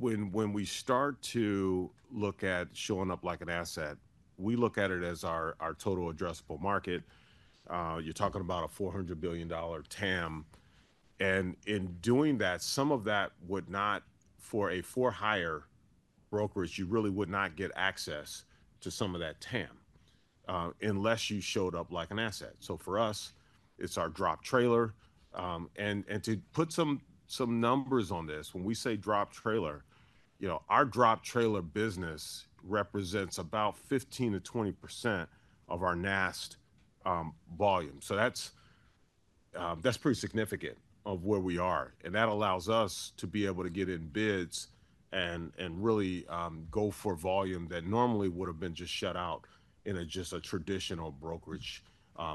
we start to look at showing up like an asset, we look at it as our total addressable market. You are talking about a $400 billion TAM. In doing that, some of that would not, for a for-hire brokerage, you really would not get access to some of that TAM unless you showed up like an asset. For us, it is our drop trailer. To put some numbers on this, when we say drop trailer, our drop trailer business represents about 15%-20% of our NAST volume. That is pretty significant of where we are. That allows us to be able to get in bids and really go for volume that normally would have been just shut out in just a traditional brokerage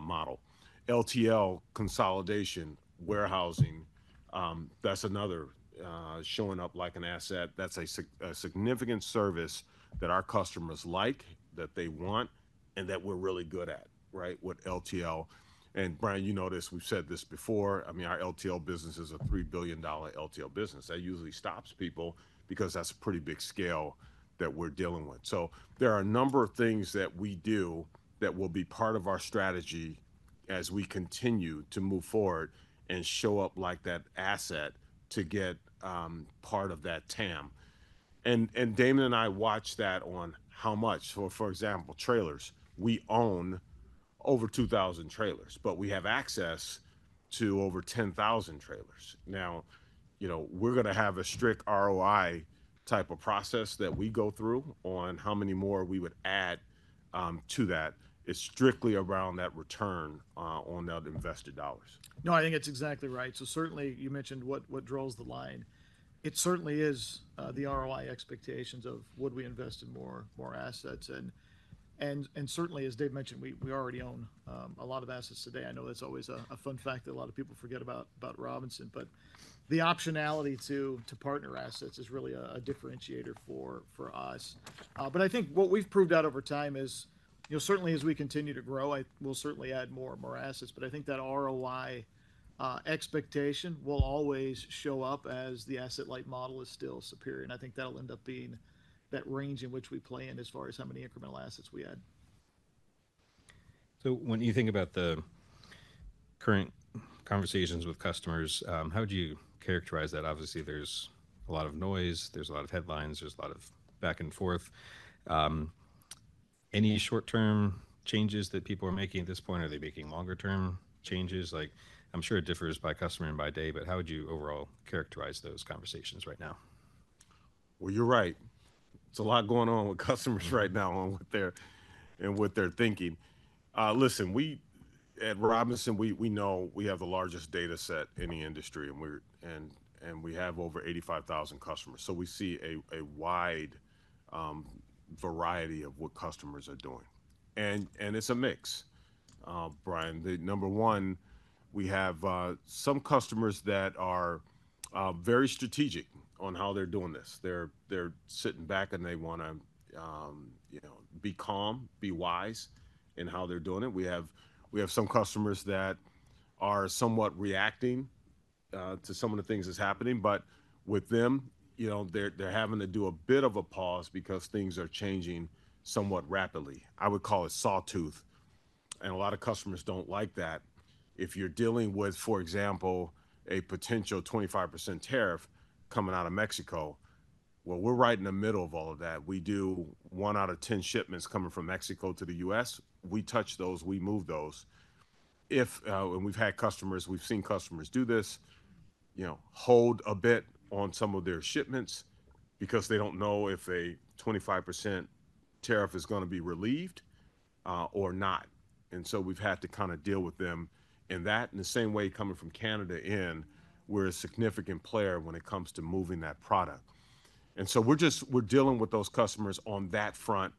model. LTL, consolidation, warehousing, that is another showing up like an asset. That is a significant service that our customers like, that they want, and that we are really good at, what LTL. Brian, you noticed we have said this before. I mean, our LTL business is a $3 billion LTL business. That usually stops people because that is a pretty big scale that we are dealing with. There are a number of things that we do that will be part of our strategy as we continue to move forward and show up like that asset to get part of that TAM. Damon and I watch that on how much. For example, trailers. We own over 2,000 trailers. We have access to over 10,000 trailers. Now, we're going to have a strict ROI type of process that we go through on how many more we would add to that. It's strictly around that return on the invested dollars. No. I think it's exactly right. You mentioned what draws the line. It certainly is the ROI expectations of would we invest in more assets. As Dave mentioned, we already own a lot of assets today. I know that's always a fun fact that a lot of people forget about Robinson. The optionality to partner assets is really a differentiator for us. I think what we've proved out over time is as we continue to grow, we'll add more and more assets. I think that ROI expectation will always show up as the asset-light model is still superior. I think that'll end up being that range in which we play in as far as how many incremental assets we add. When you think about the current conversations with customers, how would you characterize that? Obviously, there's a lot of noise. There's a lot of headlines. There's a lot of back and forth. Any short-term changes that people are making at this point? Are they making longer-term changes? I'm sure it differs by customer and by day. How would you overall characterize those conversations right now? You're right. It's a lot going on with customers right now and what they're thinking. Listen, at Robinson, we know we have the largest data set in the industry. We have over 85,000 customers. We see a wide variety of what customers are doing. It's a mix, Brian. Number one, we have some customers that are very strategic on how they're doing this. They're sitting back, and they want to be calm, be wise in how they're doing it. We have some customers that are somewhat reacting to some of the things that's happening. With them, they're having to do a bit of a pause because things are changing somewhat rapidly. I would call it sawtooth. A lot of customers do not like that. If you're dealing with, for example, a potential 25% tariff coming out of Mexico, we're right in the middle of all of that. We do 1 out of 10 shipments coming from Mexico to the U.S. We touch those. We move those. We've had customers, we've seen customers do this, hold a bit on some of their shipments because they don't know if a 25% tariff is going to be relieved or not. We've had to kind of deal with them in that. In the same coming from Canada in, we're a significant player when it comes to moving that product. We're dealing with those customers on that front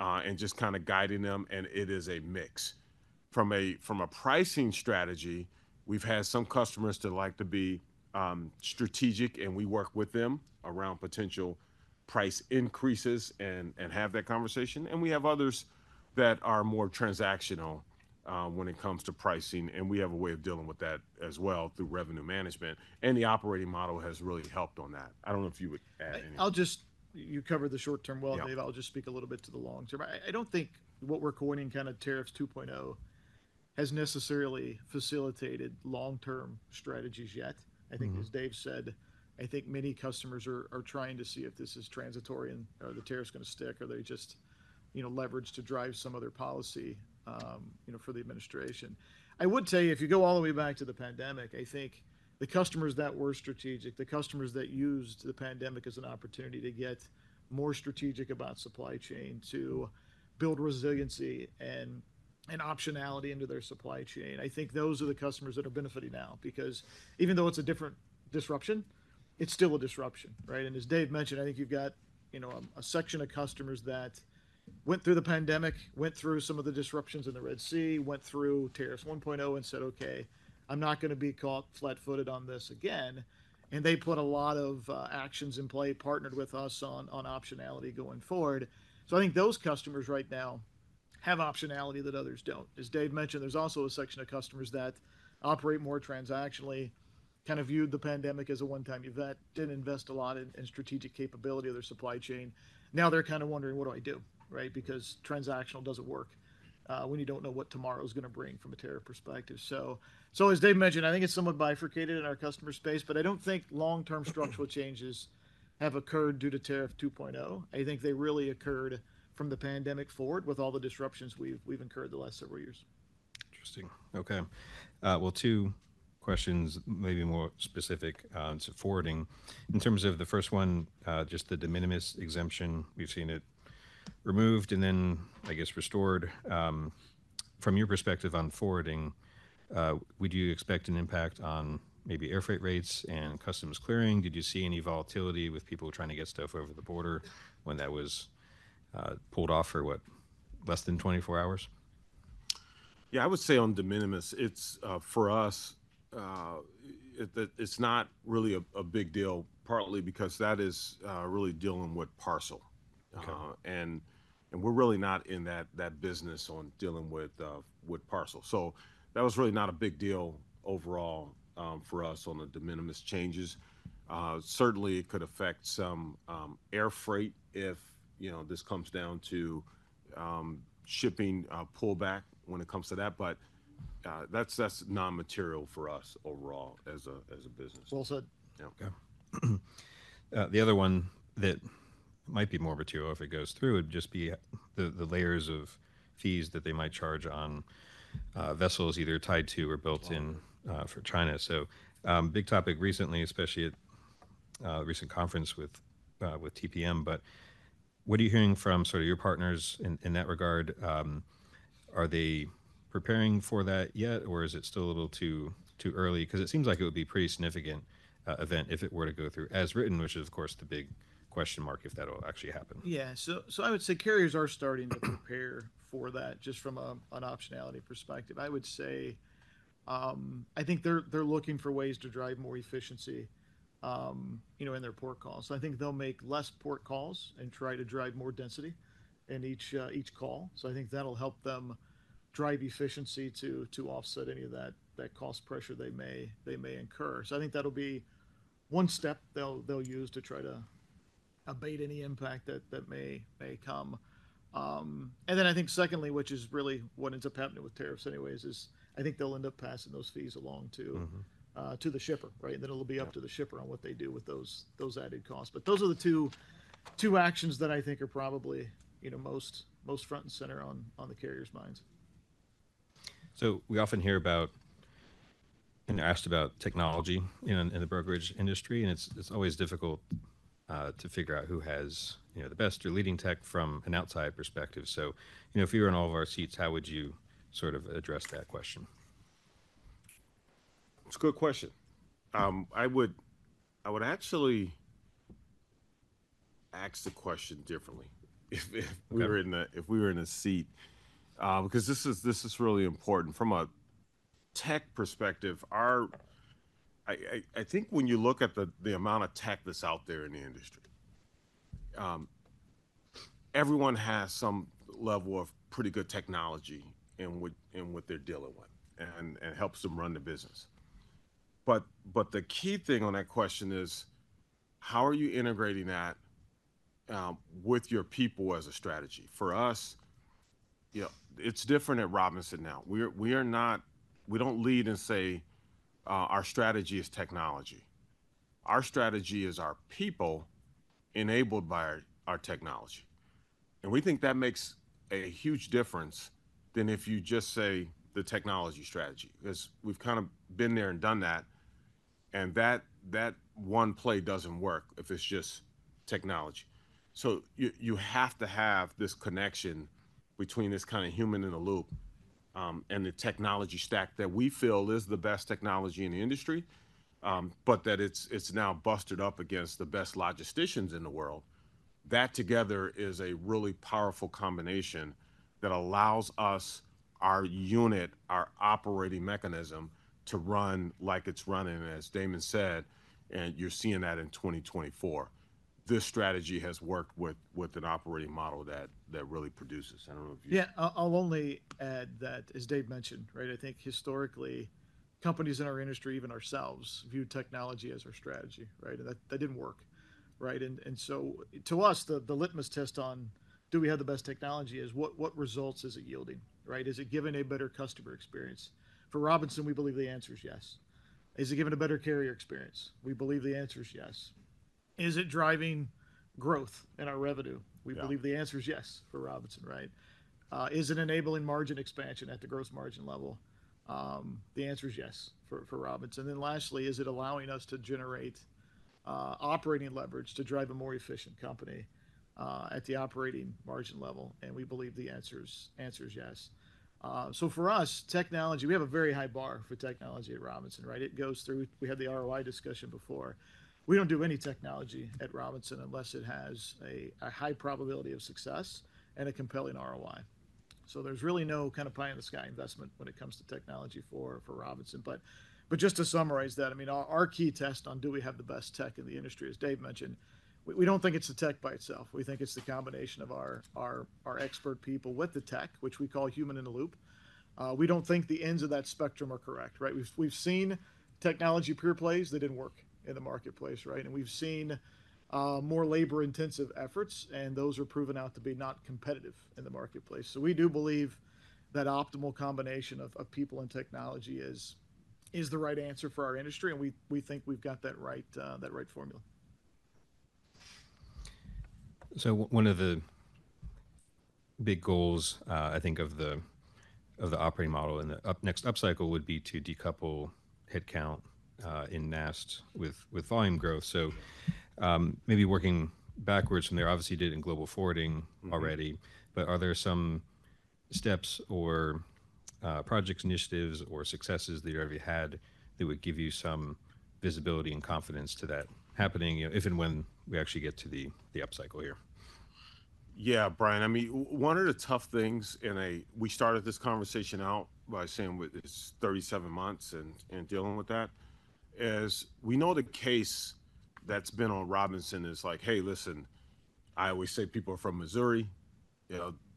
and just kind of guiding them. It is a mix. From a pricing strategy, we've had some customers that like to be strategic. We work with them around potential price increases and have that conversation. We have others that are more transactional when it comes to pricing. We have a way of dealing with that as well through revenue management. The operating model has really helped on that. I do not know if you would add anything. You covered the short-term well, Dave. I'll just speak a little bit to the long-term. I don't think what we're coining kind of tariffs 2.0 has necessarily facilitated long-term strategies yet. I think, as Dave said, I think many customers are trying to see if this is transitory and are the tariffs going to stick, or are they just leveraged to drive some other policy for the administration. I would say if you go all the way back to pandemic, I think the customers that were strategic, the customers that used pandemic as an opportunity to get more strategic about supply chain, to build resiliency and optionality into their supply chain, I think those are the customers that are benefiting now. Because even though it's a different disruption, it's still a disruption. As Dave mentioned, I think you've got a section of customers that went through pandemic, went through some of the disruptions in the Red Sea, went through tariffs 1.0 and said, "Okay. I'm not going to be caught flat-footed on this again." They put a lot of actions in play, partnered with us on optionality going forward. I think those customers right now have optionality that others don't. As Dave mentioned, there's also a section of customers that operate more transactionally, kind of viewed pandemic as a one-time event, didn't invest a lot in strategic capability of their supply chain. Now they're kind of wondering, "What do I do?" because transactional doesn't work when you don't know what tomorrow is going to bring from a tariff perspective. As Dave mentioned, I think it's somewhat bifurcated in our customer space. I don't think long-term structural changes have occurred due to tariff 2.0. I think they really occurred from pandemic forward with all the disruptions we've incurred the last several years. Interesting. Okay. Two questions, maybe more specific on forwarding. In terms of the first one, just the de minimis exemption, we've seen it removed and then, I guess, restored. From your perspective on forwarding, would you expect an impact on maybe air freight rates and customs clearing? Did you see any volatility with people trying to get stuff over the border when that was pulled off for what, less than 24 hours? Yeah. I would say on de minimis, for us, it's not really a big deal, partly because that is really dealing with parcel. And we're really not in that business on dealing with parcel. That was really not a big deal overall for us on the de minimis changes. Certainly, it could affect some air freight if this comes down to shipping pullback when it comes to that. That is non-material for us overall as a business. Well said. Okay. The other one that might be more of a 2.0 if it goes through would just be the layers of fees that they might charge on vessels either tied to or built in for China. Big topic recently, especially at a recent conference with TPM. What are you hearing from sort of your partners in that regard? Are they preparing for that yet? Or is it still a little too early? It seems like it would be a pretty significant event if it were to go through as written, which is, of course, the big question mark if that will actually happen. Yeah. I would say carriers are starting to prepare for that just from an optionality perspective. I would say I think they're looking for ways to drive more efficiency in their port calls. I think they'll make fewer port calls and try to drive more density in each call. I think that'll help them drive efficiency to offset any of that cost pressure they may incur. I think that'll be one step they'll use to try to abate any impact that may come. I think secondly, which is really what ends up happening with tariffs anyways, is I think they'll end up passing those fees along to the shipper. Then it'll be up to the shipper on what they do with those added costs. Those are the two actions that I think are probably most front and center on the carrier's minds. We often hear about and are asked about technology in the brokerage industry. It's always difficult to figure out who has the best or leading tech from an outside perspective. If you were in all of our seats, how would you sort of address that question? That's a good question. I would actually ask the question differently if we were in a seat. This is really important. From a tech perspective, I think when you look at the amount of tech that's out there in the industry, everyone has some level of pretty good technology in what they're dealing with and helps them run the business. The key thing on that question is, how are you integrating that with your people as a strategy? For us, it's different at Robinson now. We don't lead and say our strategy is technology. Our strategy is our people enabled by our technology. We think that makes a huge difference than if you just say the technology strategy. We've kind of been there and done that. That one play doesn't work if it's just technology. You have to have this connection between this kind of human in the loop and the technology stack that we feel is the best technology in the industry, but that it's now busted up against the best logisticians in the world. That together is a really powerful combination that allows us, our unit, our operating mechanism, to run like it's running. As Damon said, and you're seeing that in 2024, this strategy has worked with an operating model that really produces. I don't know if you. Yeah. I'll only add that, as Dave mentioned, I think historically, companies in our industry, even ourselves, viewed technology as our strategy. That did not work. To us, the litmus test on do we have the best technology is, what results is it yielding? Is it giving a better customer experience? For Robinson, we believe the answer is yes. Is it giving a better carrier experience? We believe the answer is yes. Is it driving growth in our revenue? We believe the answer is yes for Robinson. Is it enabling margin expansion at the gross margin level? The answer is yes for Robinson. Lastly, is it allowing us to generate operating leverage to drive a more efficient company at the operating margin level? We believe the answer is yes. For us, technology, we have a very high bar for technology at Robinson. It goes through we had the ROI discussion before. We do not do any technology at Robinson unless it has a high probability of success and a compelling ROI. There is really no kind of pie-in-the-sky investment when it comes to technology for Robinson. Just to summarize that, I mean, our key test on do we have the best tech in the industry, as Dave mentioned, we do not think it is the tech by itself. We think it is the combination of our expert people with the tech, which we call human in the loop. We do not think the ends of that spectrum are correct. We have seen technology pure plays that did not work in the marketplace. We have seen more labor-intensive efforts. Those are proven out to be not competitive in the marketplace. We do believe that optimal combination of people and technology is the right answer for our industry. We think we've got that right formula. One of the big goals, I think, of the operating model in the next upcycle would be to decouple headcount in NAST with volume growth. Maybe working backwards from there. Obviously, you did in global forwarding already. Are there some steps or project initiatives or successes that you've already had that would give you some visibility and confidence to that happening if and when we actually get to the upcycle here? Yeah, Brian. I mean, one of the tough things and we started this conversation out by saying it's 37 months and dealing with that is we know the case that's been on Robinson is like, "Hey, listen." I always say people are from Missouri.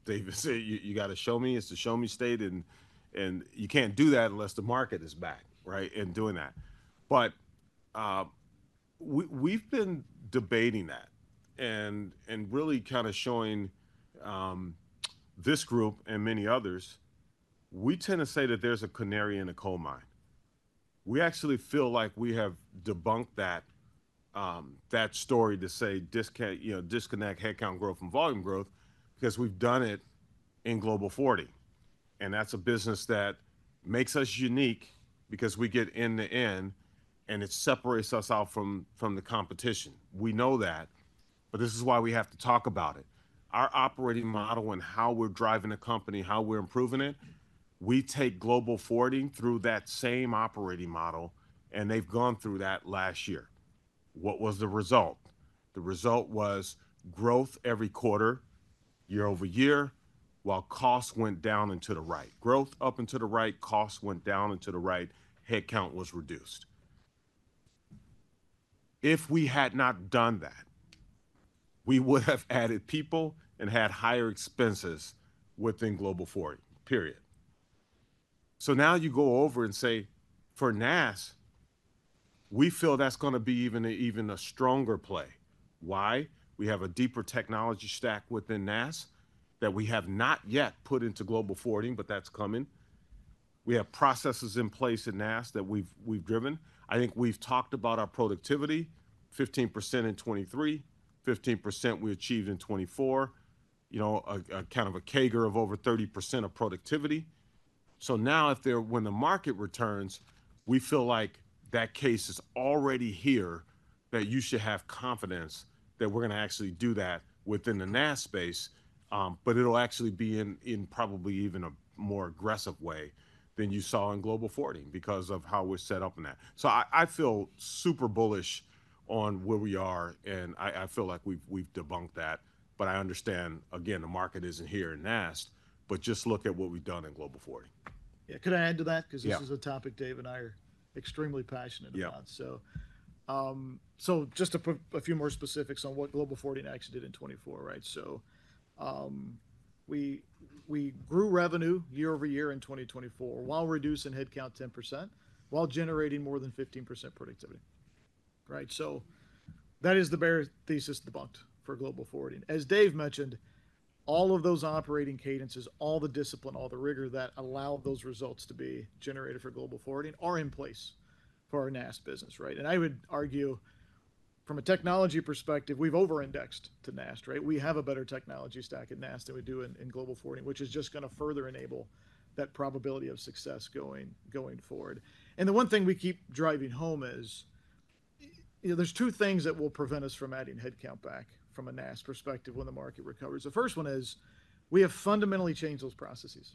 Dave would say, "You got to show me. It's a show me state." You can't do that unless the market is back in doing that. We have been debating that and really kind of showing this group and many others, we tend to say that there's a canary in a coal mine. We actually feel like we have debunked that story to say disconnect headcount growth from volume growth because we've done it in global forwarding. That's a business that makes us unique because we get end to end. It separates us out from the competition. We know that. This is why we have to talk about it. Our operating model and how we're driving a company, how we're improving it, we take global forwarding through that same operating model. They've gone through that last year. What was the result? The result was growth every quarter, year-over-year, while costs went down and to the right. Growth up and to the right. Costs went down and to the right. Headcount was reduced. If we had not done that, we would have added people and had higher expenses within global forwarding, period. You go over and say, "For NAST, we feel that's going to be even a stronger play." Why? We have a deeper technology stack within NAST that we have not yet put into global forwarding, but coming. We have processes in place in NAST that we've driven. I think we've talked about our productivity, 15% in 2023, 15% we achieved in 2024, kind of a CAGR of over 30% of productivity. Now when the market returns, we feel like that case is already here that you should have confidence that we're going to actually do that within the NAST space. It'll actually be in probably even a more aggressive way than you saw in global forwarding because of how we're set up in that. I feel super bullish on where we are. I feel like we've debunked that. I understand, again, the market isn't here in NAST. Just look at what we've done in global forwarding. Yeah. Could I add to that? Because this is a topic Dave and I are extremely passionate about. Just a few more specifics on what global forwarding actually did in 2024. We grew revenue year-over-year in 2024 while reducing headcount 10%, while generating more than 15% productivity. That is the bare thesis debunked for global forwarding. As Dave mentioned, all of those operating cadences, all the discipline, all the rigor that allow those results to be generated for global forwarding are in place for our NAST business. I would argue, from a technology perspective, we've over-indexed to NAST. We have a better technology stack in NAST than we do in global forwarding, which is just going to further enable that probability of success going forward. The one thing we keep driving home is there are two things that will prevent us from adding headcount back from a NAST perspective when the market recovers. The first one is we have fundamentally changed those processes.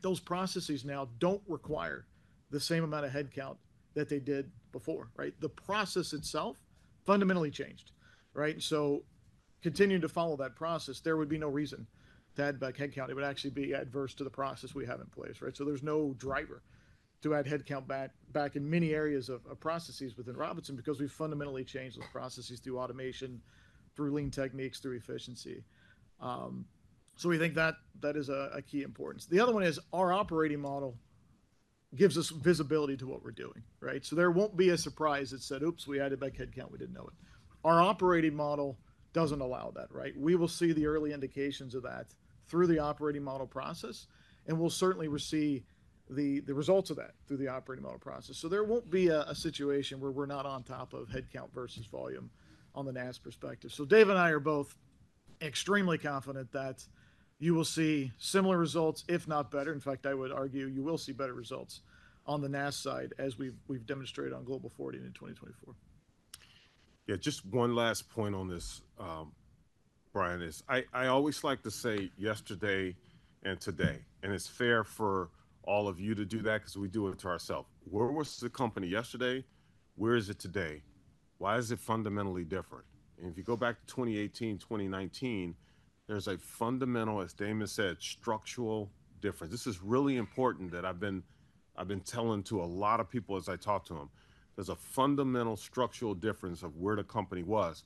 Those processes now do not require the same amount of headcount that they did before. The process itself fundamentally changed. Continuing to follow that process, there would be no reason to add back headcount. It would actually be adverse to the process we have in place. There is no driver to add headcount back in many areas of processes within Robinson because we have fundamentally changed those processes through automation, through lean techniques, through efficiency. We think that is of key importance. The other one is our operating model gives us visibility to what we are doing. There will not be a surprise that said, "Oops, we added back headcount. We did not know it. Our operating model does not allow that. We will see the early indications of that through the operating model process. We will certainly receive the results of that through the operating model process. There will not be a situation where we are not on top of headcount versus volume on the NAST perspective. Dave and I are both extremely confident that you will see similar results, if not better. In fact, I would argue you will see better results on the NAST side as we have demonstrated on global forwarding in 2024. Yeah. Just one last point on this, Brian, is I always like to say yesterday and today. It's fair for all of you to do that because we do it to ourselves. Where was the company yesterday? Where is it today? Why is it fundamentally different? If you go back to 2018, 2019, there's a fundamental, as Damon said, structural difference. This is really important that I've been telling to a lot of people as I talk to them. There's a fundamental structural difference of where the company was.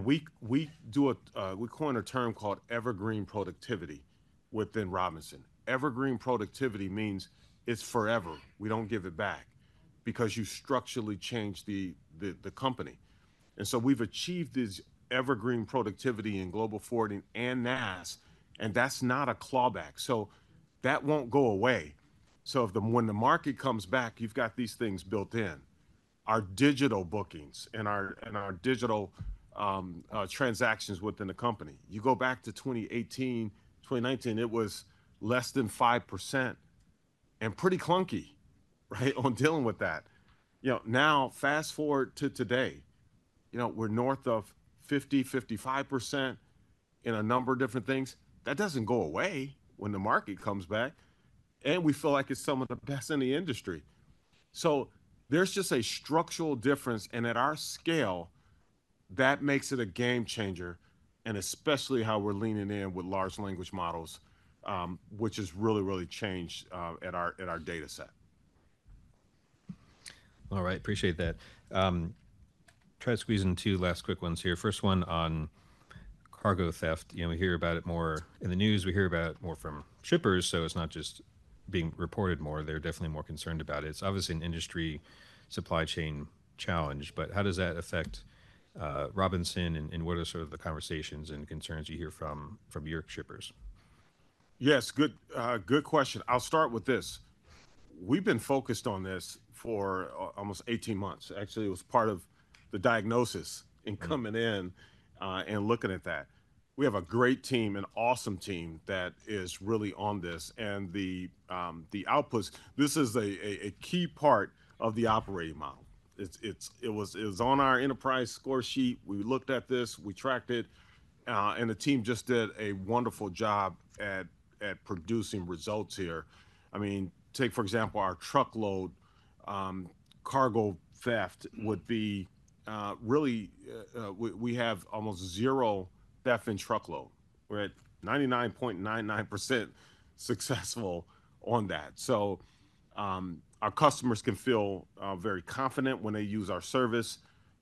We call it a term called evergreen productivity within Robinson. Evergreen productivity means it's forever. We do not give it back because you structurally change the company. We have achieved this evergreen productivity in global forwarding and NAST. That's not a clawback. That will not go away. When the market comes back, you've got these things built in. Our digital bookings and our digital transactions within the company. You go back to 2018, 2019, it was less than 5% and pretty clunky on dealing with that. Now, fast forward to today, we're north of 50%-55% in a number of different things. That doesn't go away when the market comes back. We feel like it's some of the best in the industry. There's just a structural difference. At our scale, that makes it a game changer. Especially how we're leaning in with large language models, which has really, really changed at our data set. All right. Appreciate that. Try to squeeze in two last quick ones here. First one on cargo theft. We hear about it more in the news. We hear about it more from shippers. It is not just being reported more. They are definitely more concerned about it. It is obviously an industry supply chain challenge. How does that affect Robinson? What are sort of the conversations and concerns you hear from your shippers? Yes. Good question. I'll start with this. We've been focused on this for almost 18 months. Actually, it was part of the diagnosis coming in and looking at that. We have a great team, an awesome team that is really on this. The outputs, this is a key part of the operating model. It was on our enterprise score sheet. We looked at this. We tracked it. The team just did a wonderful job at producing results here. I mean, take for example, our truckload cargo theft would be really we have almost zero theft in truckload. We're at 99.99% successful on that. Our customers can feel very confident when they use our service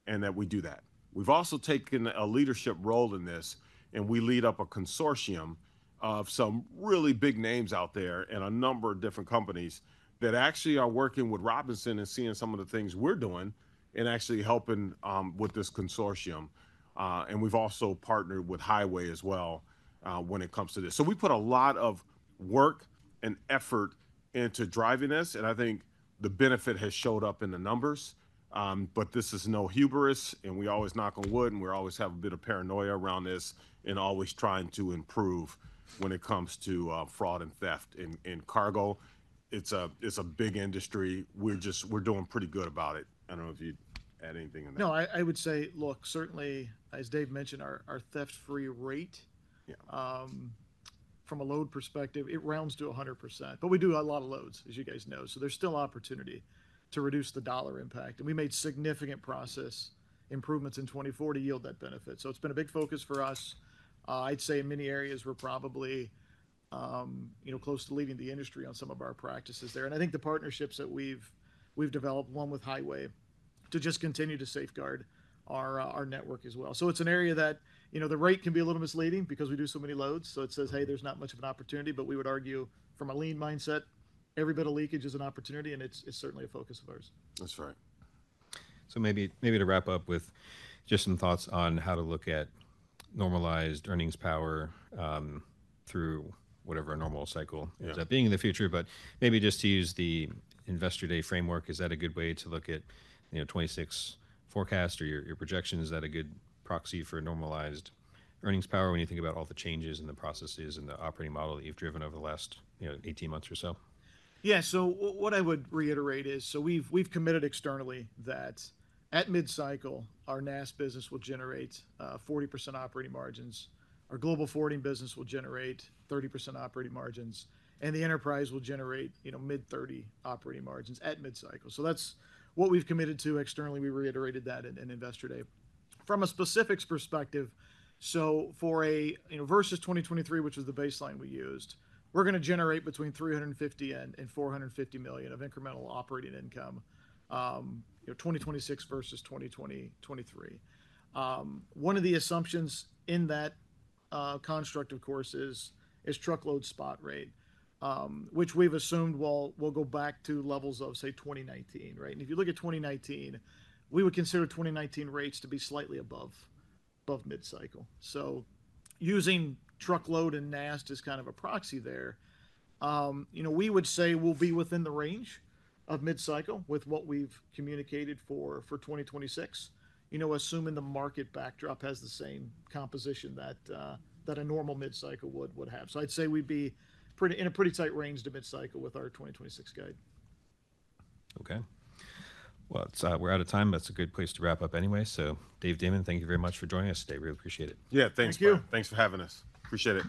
and that we do that. We've also taken a leadership role in this. We lead up a consortium of some really big names out there and a number of different companies that actually are working with Robinson and seeing some of the things we're doing and actually helping with this consortium. We have also partnered with Highway as well when it comes to this. We put a lot of work and effort into driving this. I think the benefit has showed up in the numbers. This is no hubris. We always knock on wood. We always have a bit of paranoia around this and always trying to improve when it comes to fraud and theft in cargo. It's a big industry. We're doing pretty good about it. I don't know if you'd add anything on that. No. I would say, look, certainly, as Dave mentioned, our theft-free rate from a load perspective, it rounds to 100%. But we do a lot of loads, as you guys know. There is still opportunity to reduce the dollar impact. We made significant process improvements in 2024 to yield that benefit. It has been a big focus for us. I would say in many areas, we are probably close to leading the industry on some of our practices there. I think the partnerships that we have developed, one with Highway, just continue to safeguard our network as well. It is an area that the rate can be a little misleading because we do so many loads. It says, "Hey, there is not much of an opportunity." We would argue, from a lean mindset, every bit of leakage is an opportunity. It is certainly a focus of ours. That's right. Maybe to wrap up with just some thoughts on how to look at normalized earnings power through whatever normal cycle is that being in the future. Maybe just to use the investor day framework, is that a good way to look at 2026 forecast or your projections? Is that a good proxy for normalized earnings power when you think about all the changes in the processes and the operating model that you've driven over the last 18 months or so? Yeah. What I would reiterate is we've committed externally that at mid-cycle, our NAST business will generate 40% operating margins. Our global forwarding business will generate 30% operating margins. The enterprise will generate mid-30% operating margins at mid-cycle. That's what committed to externally. We reiterated that in investor day. From a specifics perspective, for versus 2023, which was the baseline we used, we're going to generate between $350 million-$450 million of incremental operating income 2026 versus 2023. One of the assumptions in that construct, of course, is truckload spot rate, which we've assumed will go back to levels of, say, 2019. If you look at 2019, we would consider 2019 rates to be slightly above mid-cycle. Using truckload and NAST as kind of a proxy there, we would say we'll be within the range of mid-cycle with what we've communicated for 2026, assuming the market backdrop has the same composition that a normal mid-cycle would have. I'd say we'd be in a pretty tight range to mid-cycle with our 2026 guide. Okay. We are out of time. That is a good place to wrap up anyway. Dave, Damon, thank you very much for joining us today. Really appreciate it. Yeah. Thanks, Brian. Thank you. Thanks for having us. Appreciate it.